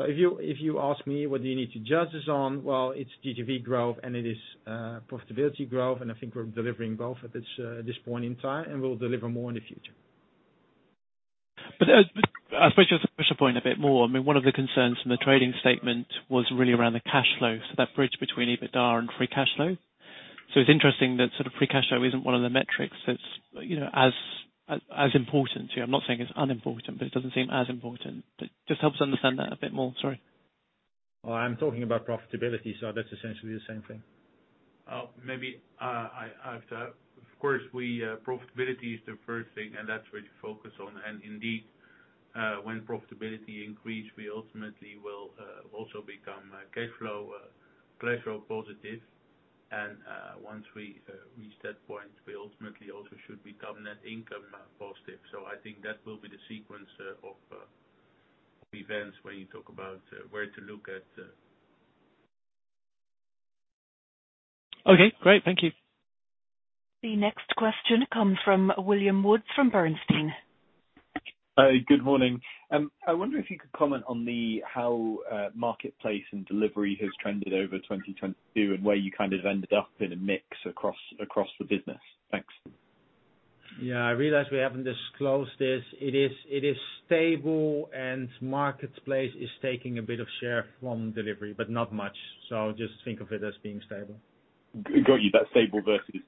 If you ask me what do you need to judge us on? It's GTV growth and it is profitability growth, and I think we're delivering both at this point in time, and we'll deliver more in the future. I suppose just to push the point a bit more. I mean, one of the concerns from the trading statement was really around the cash flow, so that bridge between EBITDA and free cash flow. It's interesting that sort of free cash flow isn't one of the metrics that's, you know, as important. You know, I'm not saying it's unimportant, but it doesn't seem as important. Just helps understand that a bit more. Sorry. Well, I'm talking about profitability, that's essentially the same thing. Maybe, profitability is the first thing, that's where you focus on. Indeed, when profitability increase, we ultimately will also become cash flow positive. Once we reach that point, we ultimately also should become net income positive. I think that will be the sequence of events when you talk about where to look at. Okay, great. Thank you. The next question comes from William Woods from Bernstein. Good morning. I wonder if you could comment on the how marketplace and delivery has trended over 2022 and where you kind of ended up in a mix across the business. Thanks. Yeah. I realize we haven't disclosed this. It is stable and marketplace is taking a bit of share from delivery, but not much. Just think of it as being stable. Got you. That's stable versus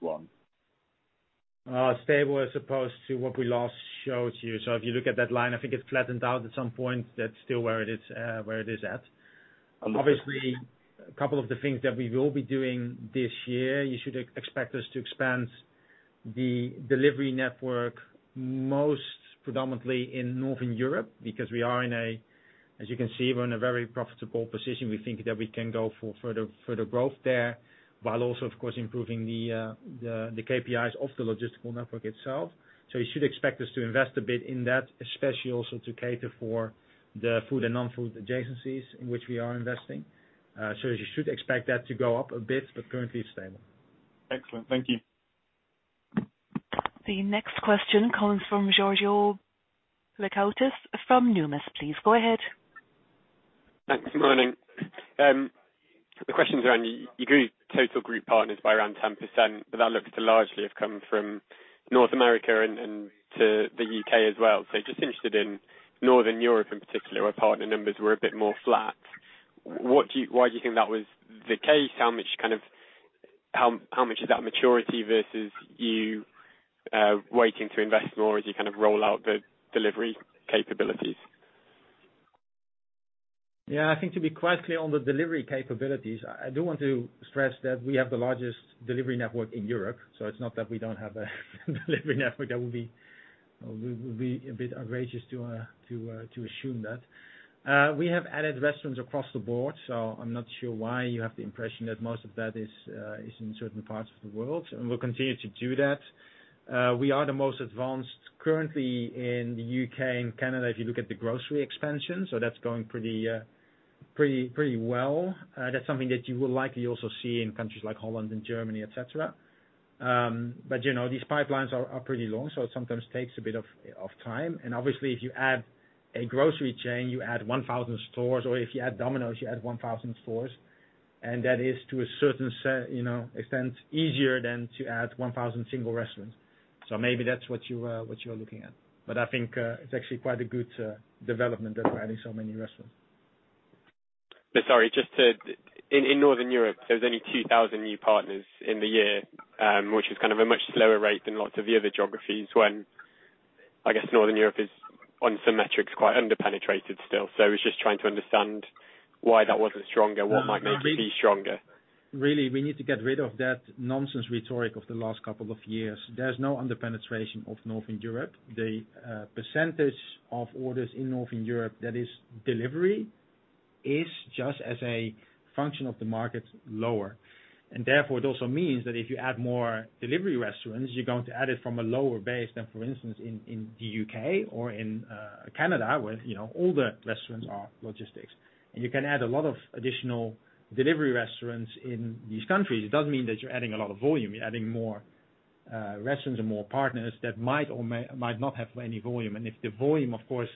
2021. Stable as opposed to what we last showed you. If you look at that line, I think it's flattened out at some point. That's still where it is, where it is at. Obviously, a couple of the things that we will be doing this year, you should expect us to expand the delivery network, most predominantly in Northern Europe, because as you can see, we're in a very profitable position. We think that we can go for further growth there, while also, of course, improving the KPIs of the logistical network itself. You should expect us to invest a bit in that, especially also to cater for the food and non-food adjacencies in which we are investing. You should expect that to go up a bit, but currently it's stable. Excellent. Thank you. The next question comes from Georgios Pilakoutas from Numis. Please go ahead. Thanks. Good morning. The question is around you grew total group partners by around 10%, that looks to largely have come from North America and to the U.K. as well. Just interested in Northern Europe in particular, where partner numbers were a bit more flat. Why do you think that was the case? How much, how much is that maturity versus you waiting to invest more as you kind of roll out the delivery capabilities? Yeah, I think to be quite clear on the delivery capabilities, I do want to stress that we have the largest delivery network in Europe. It's not that we don't have a delivery network that would be a bit outrageous to assume that. We have added restaurants across the board. I'm not sure why you have the impression that most of that is in certain parts of the world. We'll continue to do that. We are the most advanced currently in the U.K. and Canada, if you look at the grocery expansion. That's going pretty well. That's something that you will likely also see in countries like Holland and Germany, et cetera. You know, these pipelines are pretty long, so it sometimes takes a bit of time. Obviously, if you add a grocery chain, you add 1,000 stores, or if you add Domino's, you add 1,000 stores, and that is to a certain you know, extent, easier than to add 1,000 single restaurants. Maybe that's what you what you are looking at. I think it's actually quite a good development that we're adding so many restaurants. Sorry, just to... In Northern Europe, there's only 2,000 new partners in the year, which is kind of a much slower rate than lots of the other geographies, when I guess Northern Europe is on some metrics, quite under-penetrated still. I was just trying to understand why that wasn't stronger, what might make it be stronger. Really, we need to get rid of that nonsense rhetoric of the last couple of years. There's no under-penetration of Northern Europe. The percentage of orders in Northern Europe that is delivery is just as a function of the market, lower. Therefore, it also means that if you add more delivery restaurants, you're going to add it from a lower base than, for instance, in the U.K. or in Canada, where, you know, all the restaurants are logistics. You can add a lot of additional delivery restaurants in these countries. It doesn't mean that you're adding a lot of volume. You're adding more restaurants and more partners that might or might not have any volume. If the volume, of course,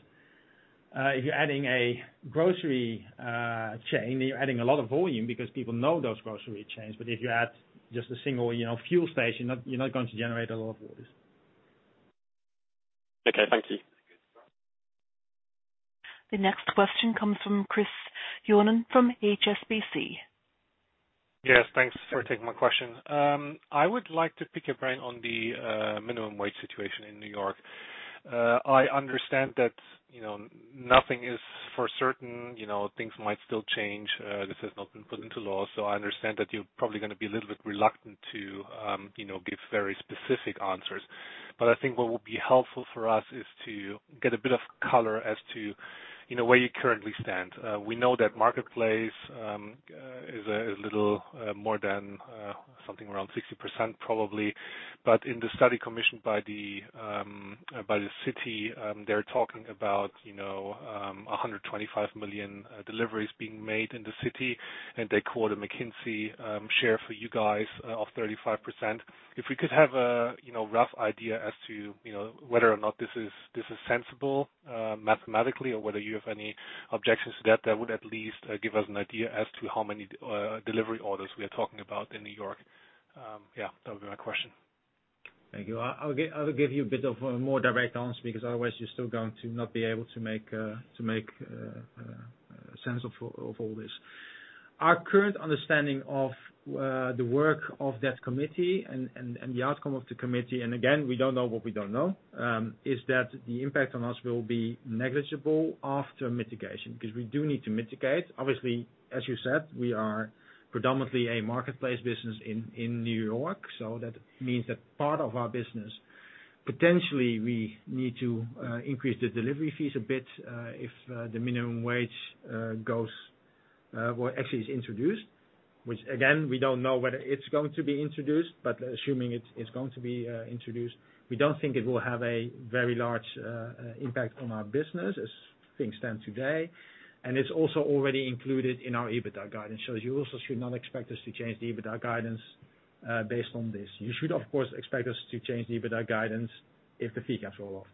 if you're adding a grocery chain, you're adding a lot of volume because people know those grocery chains. If you add just a single, you know, fuel station, you're not, you're not going to generate a lot of orders. Okay. Thank you. The next question comes from Chris Johnen from HSBC. Yes. Thanks for taking my question. I would like to pick your brain on the minimum wage situation in New York. I understand that, you know, nothing is for certain, you know, things might still change. This has not been put into law, so I understand that you're probably gonna be a little bit reluctant to, you know, give very specific answers. I think what would be helpful for us is to get a bit of color as to, you know, where you currently stand. We know that Marketplace is a little more than something around 60% probably. In the study commissioned by the city, they're talking about, you know, 125 million deliveries being made in the city, and they quote a McKinsey share for you guys of 35%. If we could have a, you know, rough idea as to, you know, whether or not this is sensible, mathematically or whether you have any objections to that would at least give us an idea as to how many delivery orders we are talking about in New York. That would be my question. Thank you. I will give you a bit of a more direct answer because otherwise you're still going to not be able to make sense of all this. Our current understanding of the work of that committee and the outcome of the committee, and again, we don't know what we don't know, is that the impact on us will be negligible after mitigation, because we do need to mitigate. Obviously, as you said, we are predominantly a marketplace business in New York, that means that part of our business, potentially we need to increase the delivery fees a bit, if the minimum wage well, actually is introduced, which again, we don't know whether it's going to be introduced, but assuming it's going to be introduced, we don't think it will have a very large impact on our business as things stand today. It's also already included in our EBITDA guidance. You also should not expect us to change the EBITDA guidance based on this. You should, of course, expect us to change the EBITDA guidance if the fee caps roll off.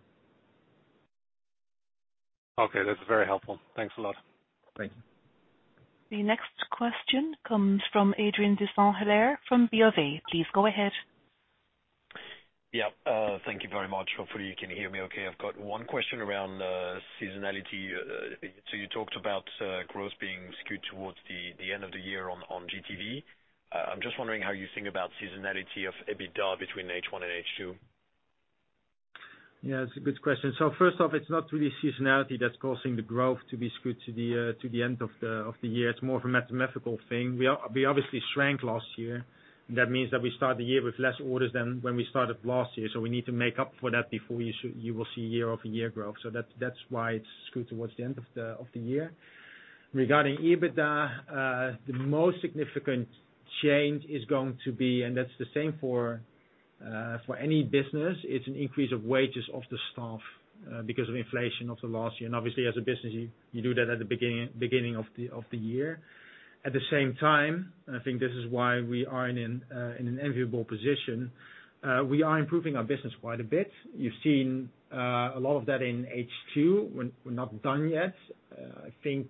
Okay. That's very helpful. Thanks a lot. Thank you. The next question comes from Adrien de Saint Hilaire from BofA Securities. Please go ahead. Yeah. Thank you very much. Hopefully, you can hear me okay. I've got one question around seasonality. You talked about growth being skewed towards the end of the year on GTV. I'm just wondering how you think about seasonality of EBITDA between H1 and H2. Yeah, it's a good question. First off, it's not really seasonality that's causing the growth to be skewed to the end of the year. It's more of a mathematical thing. We obviously shrank last year. That means that we start the year with less orders than when we started last year, so we need to make up for that before you will see year-over-year growth. That's why it's skewed towards the end of the year. Regarding EBITDA, the most significant change is going to be, and that's the same for any business, it's an increase of wages of the staff because of inflation of the last year. Obviously as a business you do that at the beginning of the year. At the same time, I think this is why we are in an enviable position, we are improving our business quite a bit. You've seen a lot of that in H2. We're not done yet. I think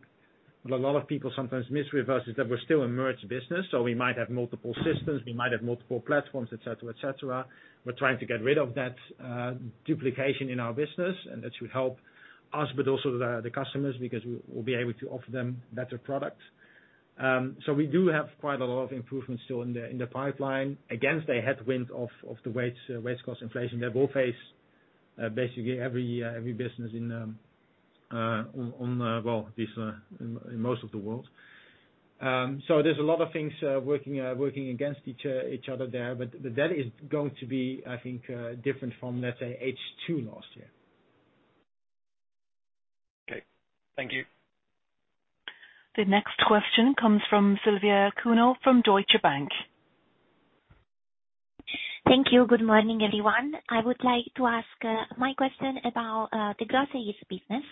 what a lot of people sometimes miss with us is that we're still a merged business, so we might have multiple systems, we might have multiple platforms, et cetera, et cetera. We're trying to get rid of that duplication in our business, that should help us, but also the customers, because we'll be able to offer them better products. We do have quite a lot of improvements still in the pipeline. Against a headwind of the wage cost inflation that we'll face, basically every year, every business in, well, at least, in most of the world. There's a lot of things working against each other there, but that is going to be, I think, different from, let's say, H2 last year. Okay. Thank you. The next question comes from Silvia Cuneo from Deutsche Bank. Thank you. Good morning, everyone. I would like to ask my question about the Groceries business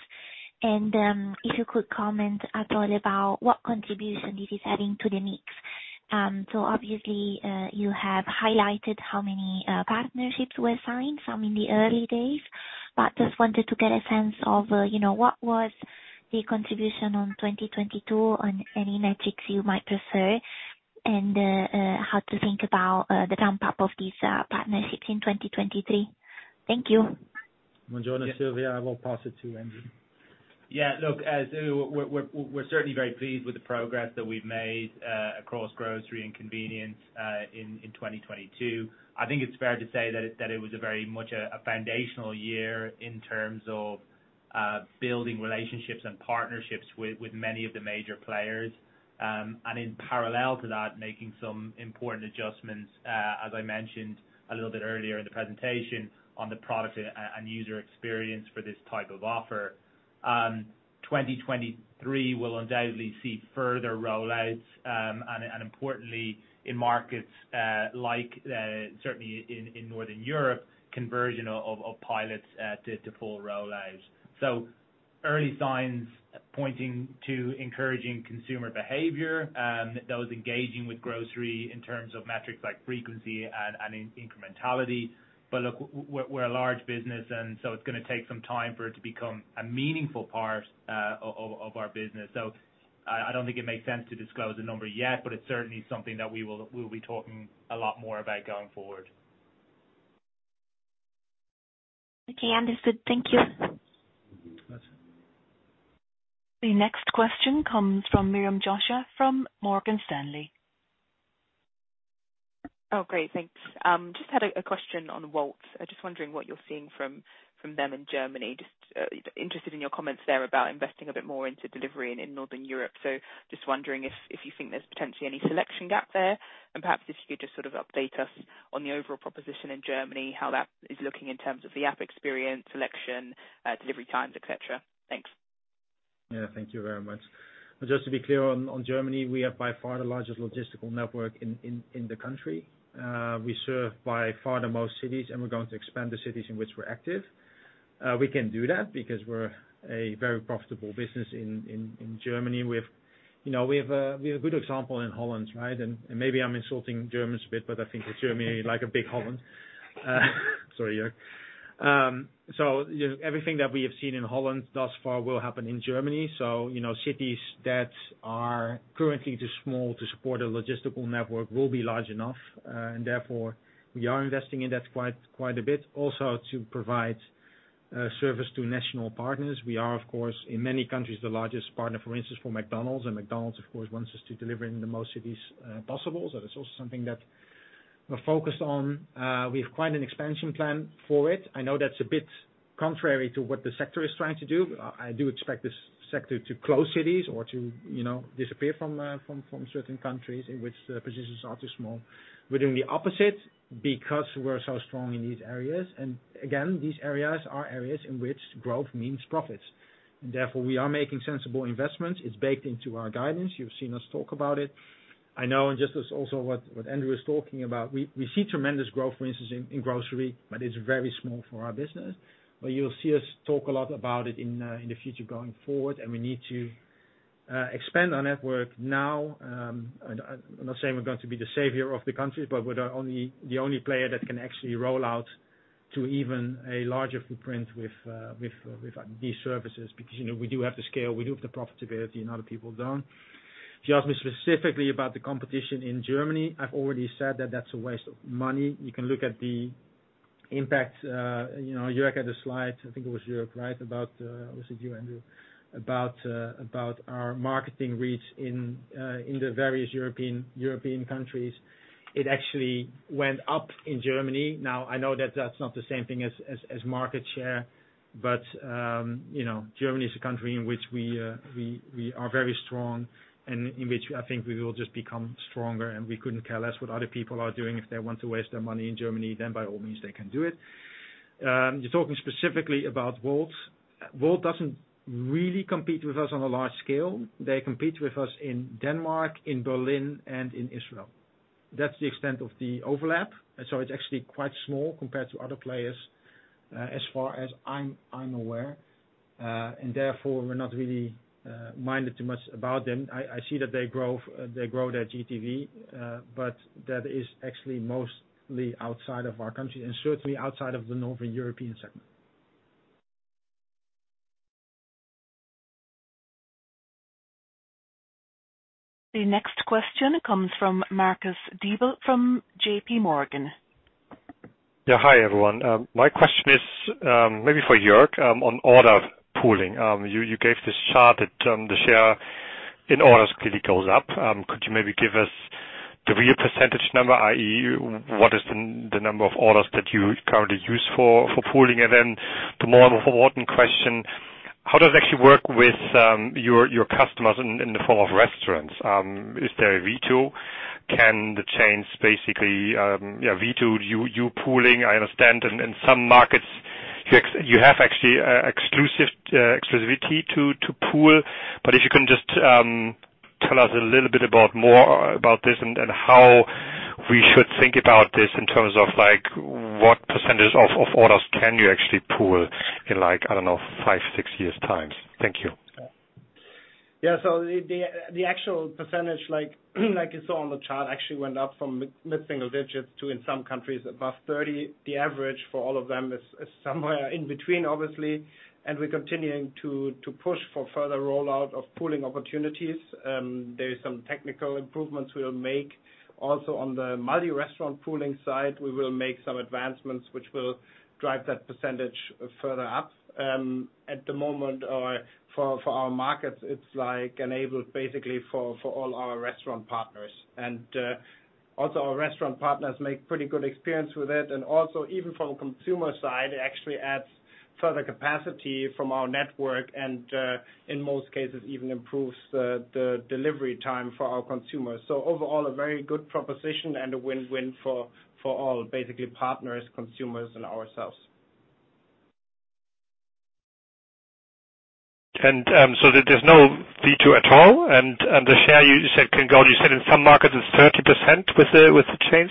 and if you could comment at all about what contribution this is adding to the mix. Obviously, you have highlighted how many partnerships were signed, some in the early days, but just wanted to get a sense of, you know, what was the contribution on 2022, on any metrics you might prefer, and how to think about the ramp up of these partnerships in 2023. Thank you. Silvia. I will pass it to Andrew Kenny. Yeah. Look, as to we're certainly very pleased with the progress that we've made across grocery and convenience in 2022. I think it's fair to say that it was very much a foundational year in terms of building relationships and partnerships with many of the major players. And in parallel to that, making some important adjustments, as I mentioned a little bit earlier in the presentation, on the product and user experience for this type of offer. 2023 will undoubtedly see further roll-outs, and importantly in markets like certainly in Northern Europe, conversion of pilots to full roll-outs. Early signs pointing to encouraging consumer behavior, those engaging with grocery in terms of metrics like frequency and incrementality. Look, we're a large business. It's gonna take some time for it to become a meaningful part of our business. I don't think it makes sense to disclose the number yet. It's certainly something that we'll be talking a lot more about going forward. Okay, understood. Thank you. The next question comes from Miriam Josiah from Morgan Stanley. Great. Thanks. Just had a question on Wolt. I'm just wondering what you're seeing from them in Germany. Just interested in your comments there about investing a bit more into delivery and in Northern Europe. Just wondering if you think there's potentially any selection gap there, and perhaps if you could just sort of update us on the overall proposition in Germany, how that is looking in terms of the app experience, selection, delivery times, et cetera. Thanks. Yeah. Thank you very much. Just to be clear, on Germany, we are by far the largest logistical network in the country. We serve by far the most cities, and we're going to expand the cities in which we're active. We can do that because we're a very profitable business in Germany. You know, we have a good example in Holland, right? Maybe I'm insulting Germans a bit, but I think that Germany is like a big Holland. Sorry, Jörg Gerbig. Everything that we have seen in Holland thus far will happen in Germany. You know, cities that are currently too small to support a logistical network will be large enough, and therefore we are investing in that quite a bit. Also to provide service to national partners. We are, of course, in many countries the largest partner, for instance, for McDonald's. McDonald's of course wants us to deliver in the most cities possible. That's also something that we're focused on. We have quite an expansion plan for it. I know that's a bit contrary to what the sector is trying to do. I do expect this sector to close cities or to, you know, disappear from certain countries in which the positions are too small. We're doing the opposite because we're so strong in these areas. Again, these areas are areas in which growth means profits, and therefore we are making sensible investments. It's baked into our guidance. You've seen us talk about it. I know, just as also what Andrew Kenny is talking about, we see tremendous growth, for instance, in grocery, but it's very small for our business. You'll see us talk a lot about it in the future going forward, we need to expand our network now. I'm not saying we're going to be the savior of the countries, but we're the only player that can actually roll out to even a larger footprint with these services. You know, we do have the scale, we do have the profitability, and other people don't. If you ask me specifically about the competition in Germany, I've already said that that's a waste of money. You can look at the Impacts, you know, Jörg Gerbig had a slide, I think it was Jörg Gerbig, right? About, was it you, Andrew Kenny? About about our marketing reach in the various European countries. It actually went up in Germany. I know that that's not the same thing as market share, but you know, Germany is a country in which we are very strong and in which I think we will just become stronger, and we couldn't care less what other people are doing. If they want to waste their money in Germany, by all means they can do it. You're talking specifically about Wolt. Wolt doesn't really compete with us on a large scale. They compete with us in Denmark, in Berlin, and in Israel. That's the extent of the overlap. It's actually quite small compared to other players, as far as I'm aware. Therefore, we're not really minded too much about them. I see that they grow their GTV, but that is actually mostly outside of our country and certainly outside of the Northern European segment. The next question comes from Marcus Diebel, from JPMorgan. Yeah. Hi, everyone. My question is, maybe for Jörg Gerbig, on order pooling. You gave this chart that the share in orders clearly goes up. Could you maybe give us the real percentage number, i.e., what is the number of orders that you currently use for pooling? The more important question, how does it actually work with your customers in the form of restaurants? Is there a veto? Can the chains basically veto you pooling? I understand in some markets you have actually exclusive exclusivity to pool. If you can just, tell us a little bit about more about this and how we should think about this in terms of, like, what % of orders can you actually pool in, like, I don't know, five, six years' time? Thank you. The actual percentage, like you saw on the chart, actually went up from mid-single digits to, in some countries, above 30%. The average for all of them is somewhere in between, obviously. We're continuing to push for further rollout of pooling opportunities. There is some technical improvements we'll make. Also on the multi-restaurant pooling side, we will make some advancements which will drive that percentage further up. At the moment, for our markets, it's, like, enabled basically for all our restaurant partners. Also our restaurant partners make pretty good experience with it. Also even from a consumer side, it actually adds further capacity from our network, and in most cases even improves the delivery time for our consumers. Overall, a very good proposition and a win-win for all, basically partners, consumers and ourselves. There's no veto at all? The share you said can go in some markets it's 30% with the change?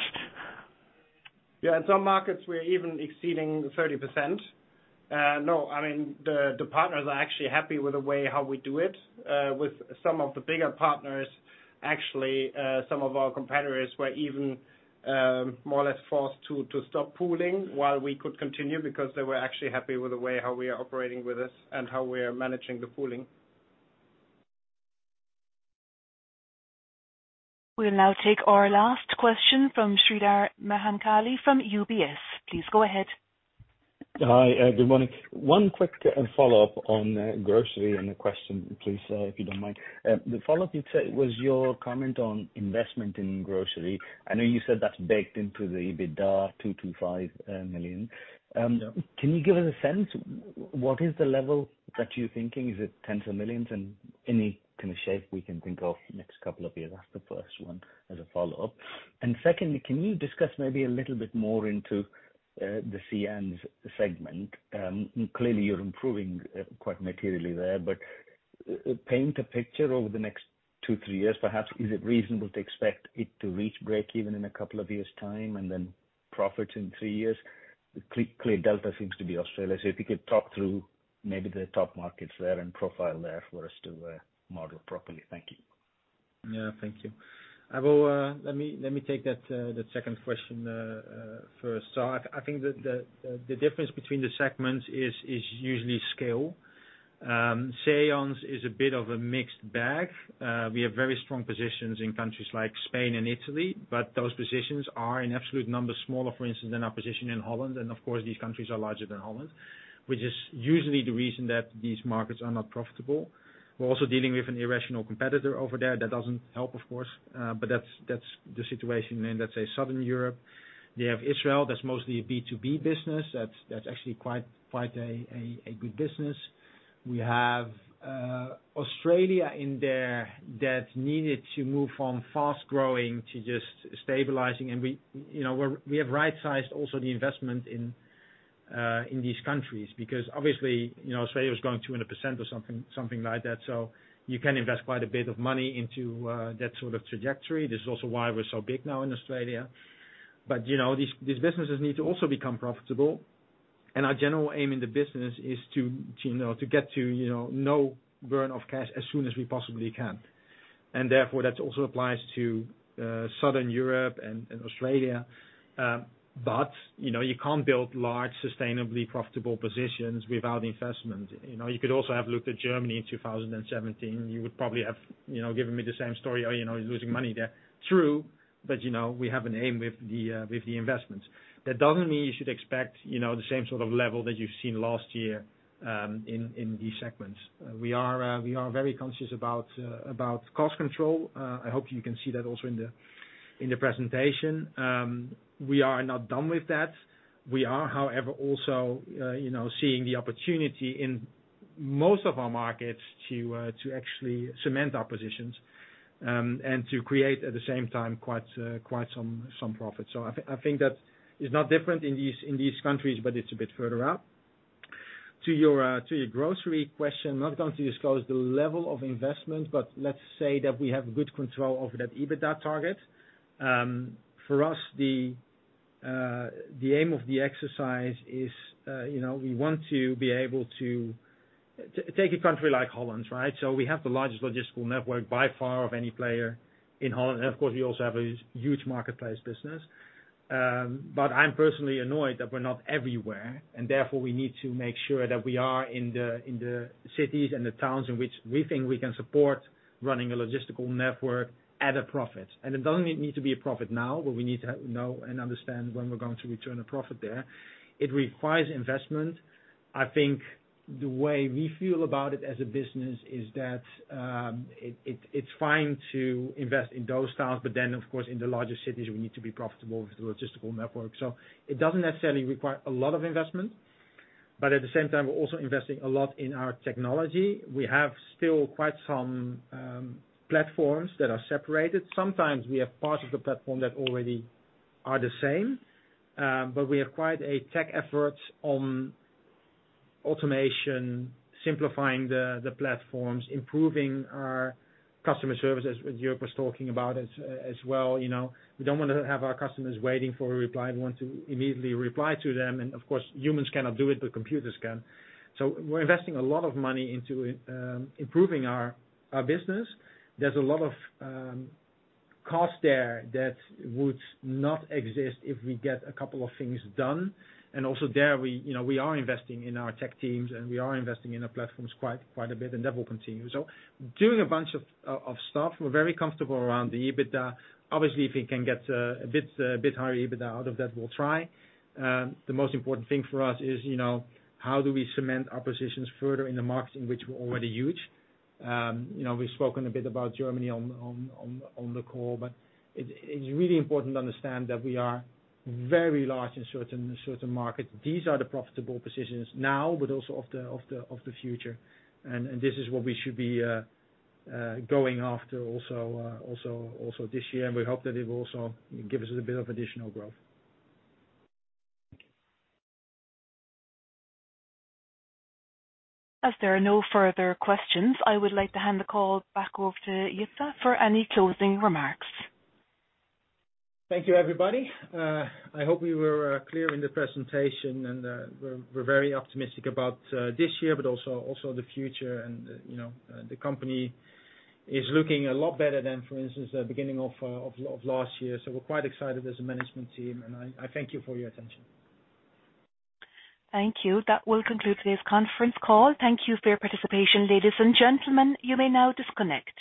Yeah. In some markets, we're even exceeding 30%. No, I mean, the partners are actually happy with the way how we do it. With some of the bigger partners, actually, some of our competitors were even, more or less forced to stop pooling while we could continue because they were actually happy with the way how we are operating with this and how we are managing the pooling. We'll now take our last question from Sreedhar Mahamkali from UBS. Please go ahead. Hi, good morning. One quick follow-up on grocery and a question, please, if you don't mind. The follow-up it's was your comment on investment in grocery. I know you said that's baked into the EBITDA [2 million-5 million]. Yeah. Can you give us a sense, what is the level that you're thinking? Is it tens of millions? Any kind of shape we can think of next couple of years? That's the first one as a follow-up. Secondly, can you discuss maybe a little bit more into the ANZ segment? Clearly you're improving quite materially there, but paint a picture over the next two, three years, perhaps. Is it reasonable to expect it to reach break even in a couple of years' time and then profits in three years? Clear delta seems to be Australia. If you could talk through maybe the top markets there and profile there for us to model properly. Thank you. Yeah. Thank you. I will let me take that second question first. I think that the difference between the segments is usually scale. CN's is a bit of a mixed bag. We have very strong positions in countries like Spain and Italy, but those positions are in absolute numbers smaller, for instance, than our position in Holland. Of course, these countries are larger than Holland, which is usually the reason that these markets are not profitable. We're also dealing with an irrational competitor over there. That doesn't help, of course. But that's the situation in, let's say, Southern Europe. They have Israel, that's mostly a B2B business. That's actually quite a good business. We have Australia in there that needed to move from fast growing to just stabilizing. We, you know, we have right-sized also the investment in these countries, because obviously, you know, Australia was growing 200% or something like that. You can invest quite a bit of money into that sort of trajectory. This is also why we're so big now in Australia. You know, these businesses need to also become profitable. Our general aim in the business is to, you know, to get to, you know, no burn of cash as soon as we possibly can. Therefore, that also applies to Southern Europe and Australia. You know, you can't build large, sustainably profitable positions without investment. You know, you could also have looked at Germany in 2017. You would probably have, you know, given me the same story, oh, you know, you're losing money there. True. You know, we have an aim with the investments. That doesn't mean you should expect, you know, the same sort of level that you've seen last year in these segments. We are very conscious about cost control. I hope you can see that also in the presentation. We are not done with that. We are, however, also, you know, seeing the opportunity in most of our markets to actually cement our positions and to create, at the same time, quite some profit. I think that is not different in these, in these countries, but it's a bit further out. To your, to your grocery question, not going to disclose the level of investment, but let's say that we have good control over that EBITDA target. For us, the aim of the exercise is, you know, we want to be able to take a country like Holland, right? We have the largest logistical network by far of any player in Holland. Of course, we also have a huge marketplace business. I'm personally annoyed that we're not everywhere, and therefore we need to make sure that we are in the, in the cities and the towns in which we think we can support running a logistical network at a profit. It doesn't need to be a profit now, but we need to know and understand when we're going to return a profit there. It requires investment. I think the way we feel about it as a business is that it's fine to invest in those towns, of course, in the larger cities we need to be profitable with the logistical network. It doesn't necessarily require a lot of investment, but at the same time, we're also investing a lot in our technology. We have still quite some platforms that are separated. Sometimes we have parts of the platform that already are the same. We have quite a tech effort on automation, simplifying the platforms, improving our customer services, as Jörg Gerbig was talking about as well, you know. We don't wanna have our customers waiting for a reply. We want to immediately reply to them, of course, humans cannot do it, but computers can. We're investing a lot of money into improving our business. There's a lot of costs there that would not exist if we get a couple of things done. Also there, we, you know, we are investing in our tech teams, and we are investing in our platforms quite a bit, and that will continue. Doing a bunch of stuff. We're very comfortable around the EBITDA. Obviously, if we can get a bit higher EBITDA out of that, we'll try. The most important thing for us is, you know, how do we cement our positions further in the markets in which we're already huge? You know, we've spoken a bit about Germany on the call, but it's really important to understand that we are very large in certain markets. These are the profitable positions now, but also of the future. This is what we should be going after also this year, and we hope that it will also give us a bit of additional growth. As there are no further questions, I would like to hand the call back over to Jitse Groen for any closing remarks. Thank you, everybody. I hope we were clear in the presentation, and we're very optimistic about this year, but also the future. You know, the company is looking a lot better than, for instance, the beginning of last year. We're quite excited as a management team, and I thank you for your attention. Thank you. That will conclude today's conference call. Thank you for your participation, ladies and gentlemen. You may now disconnect.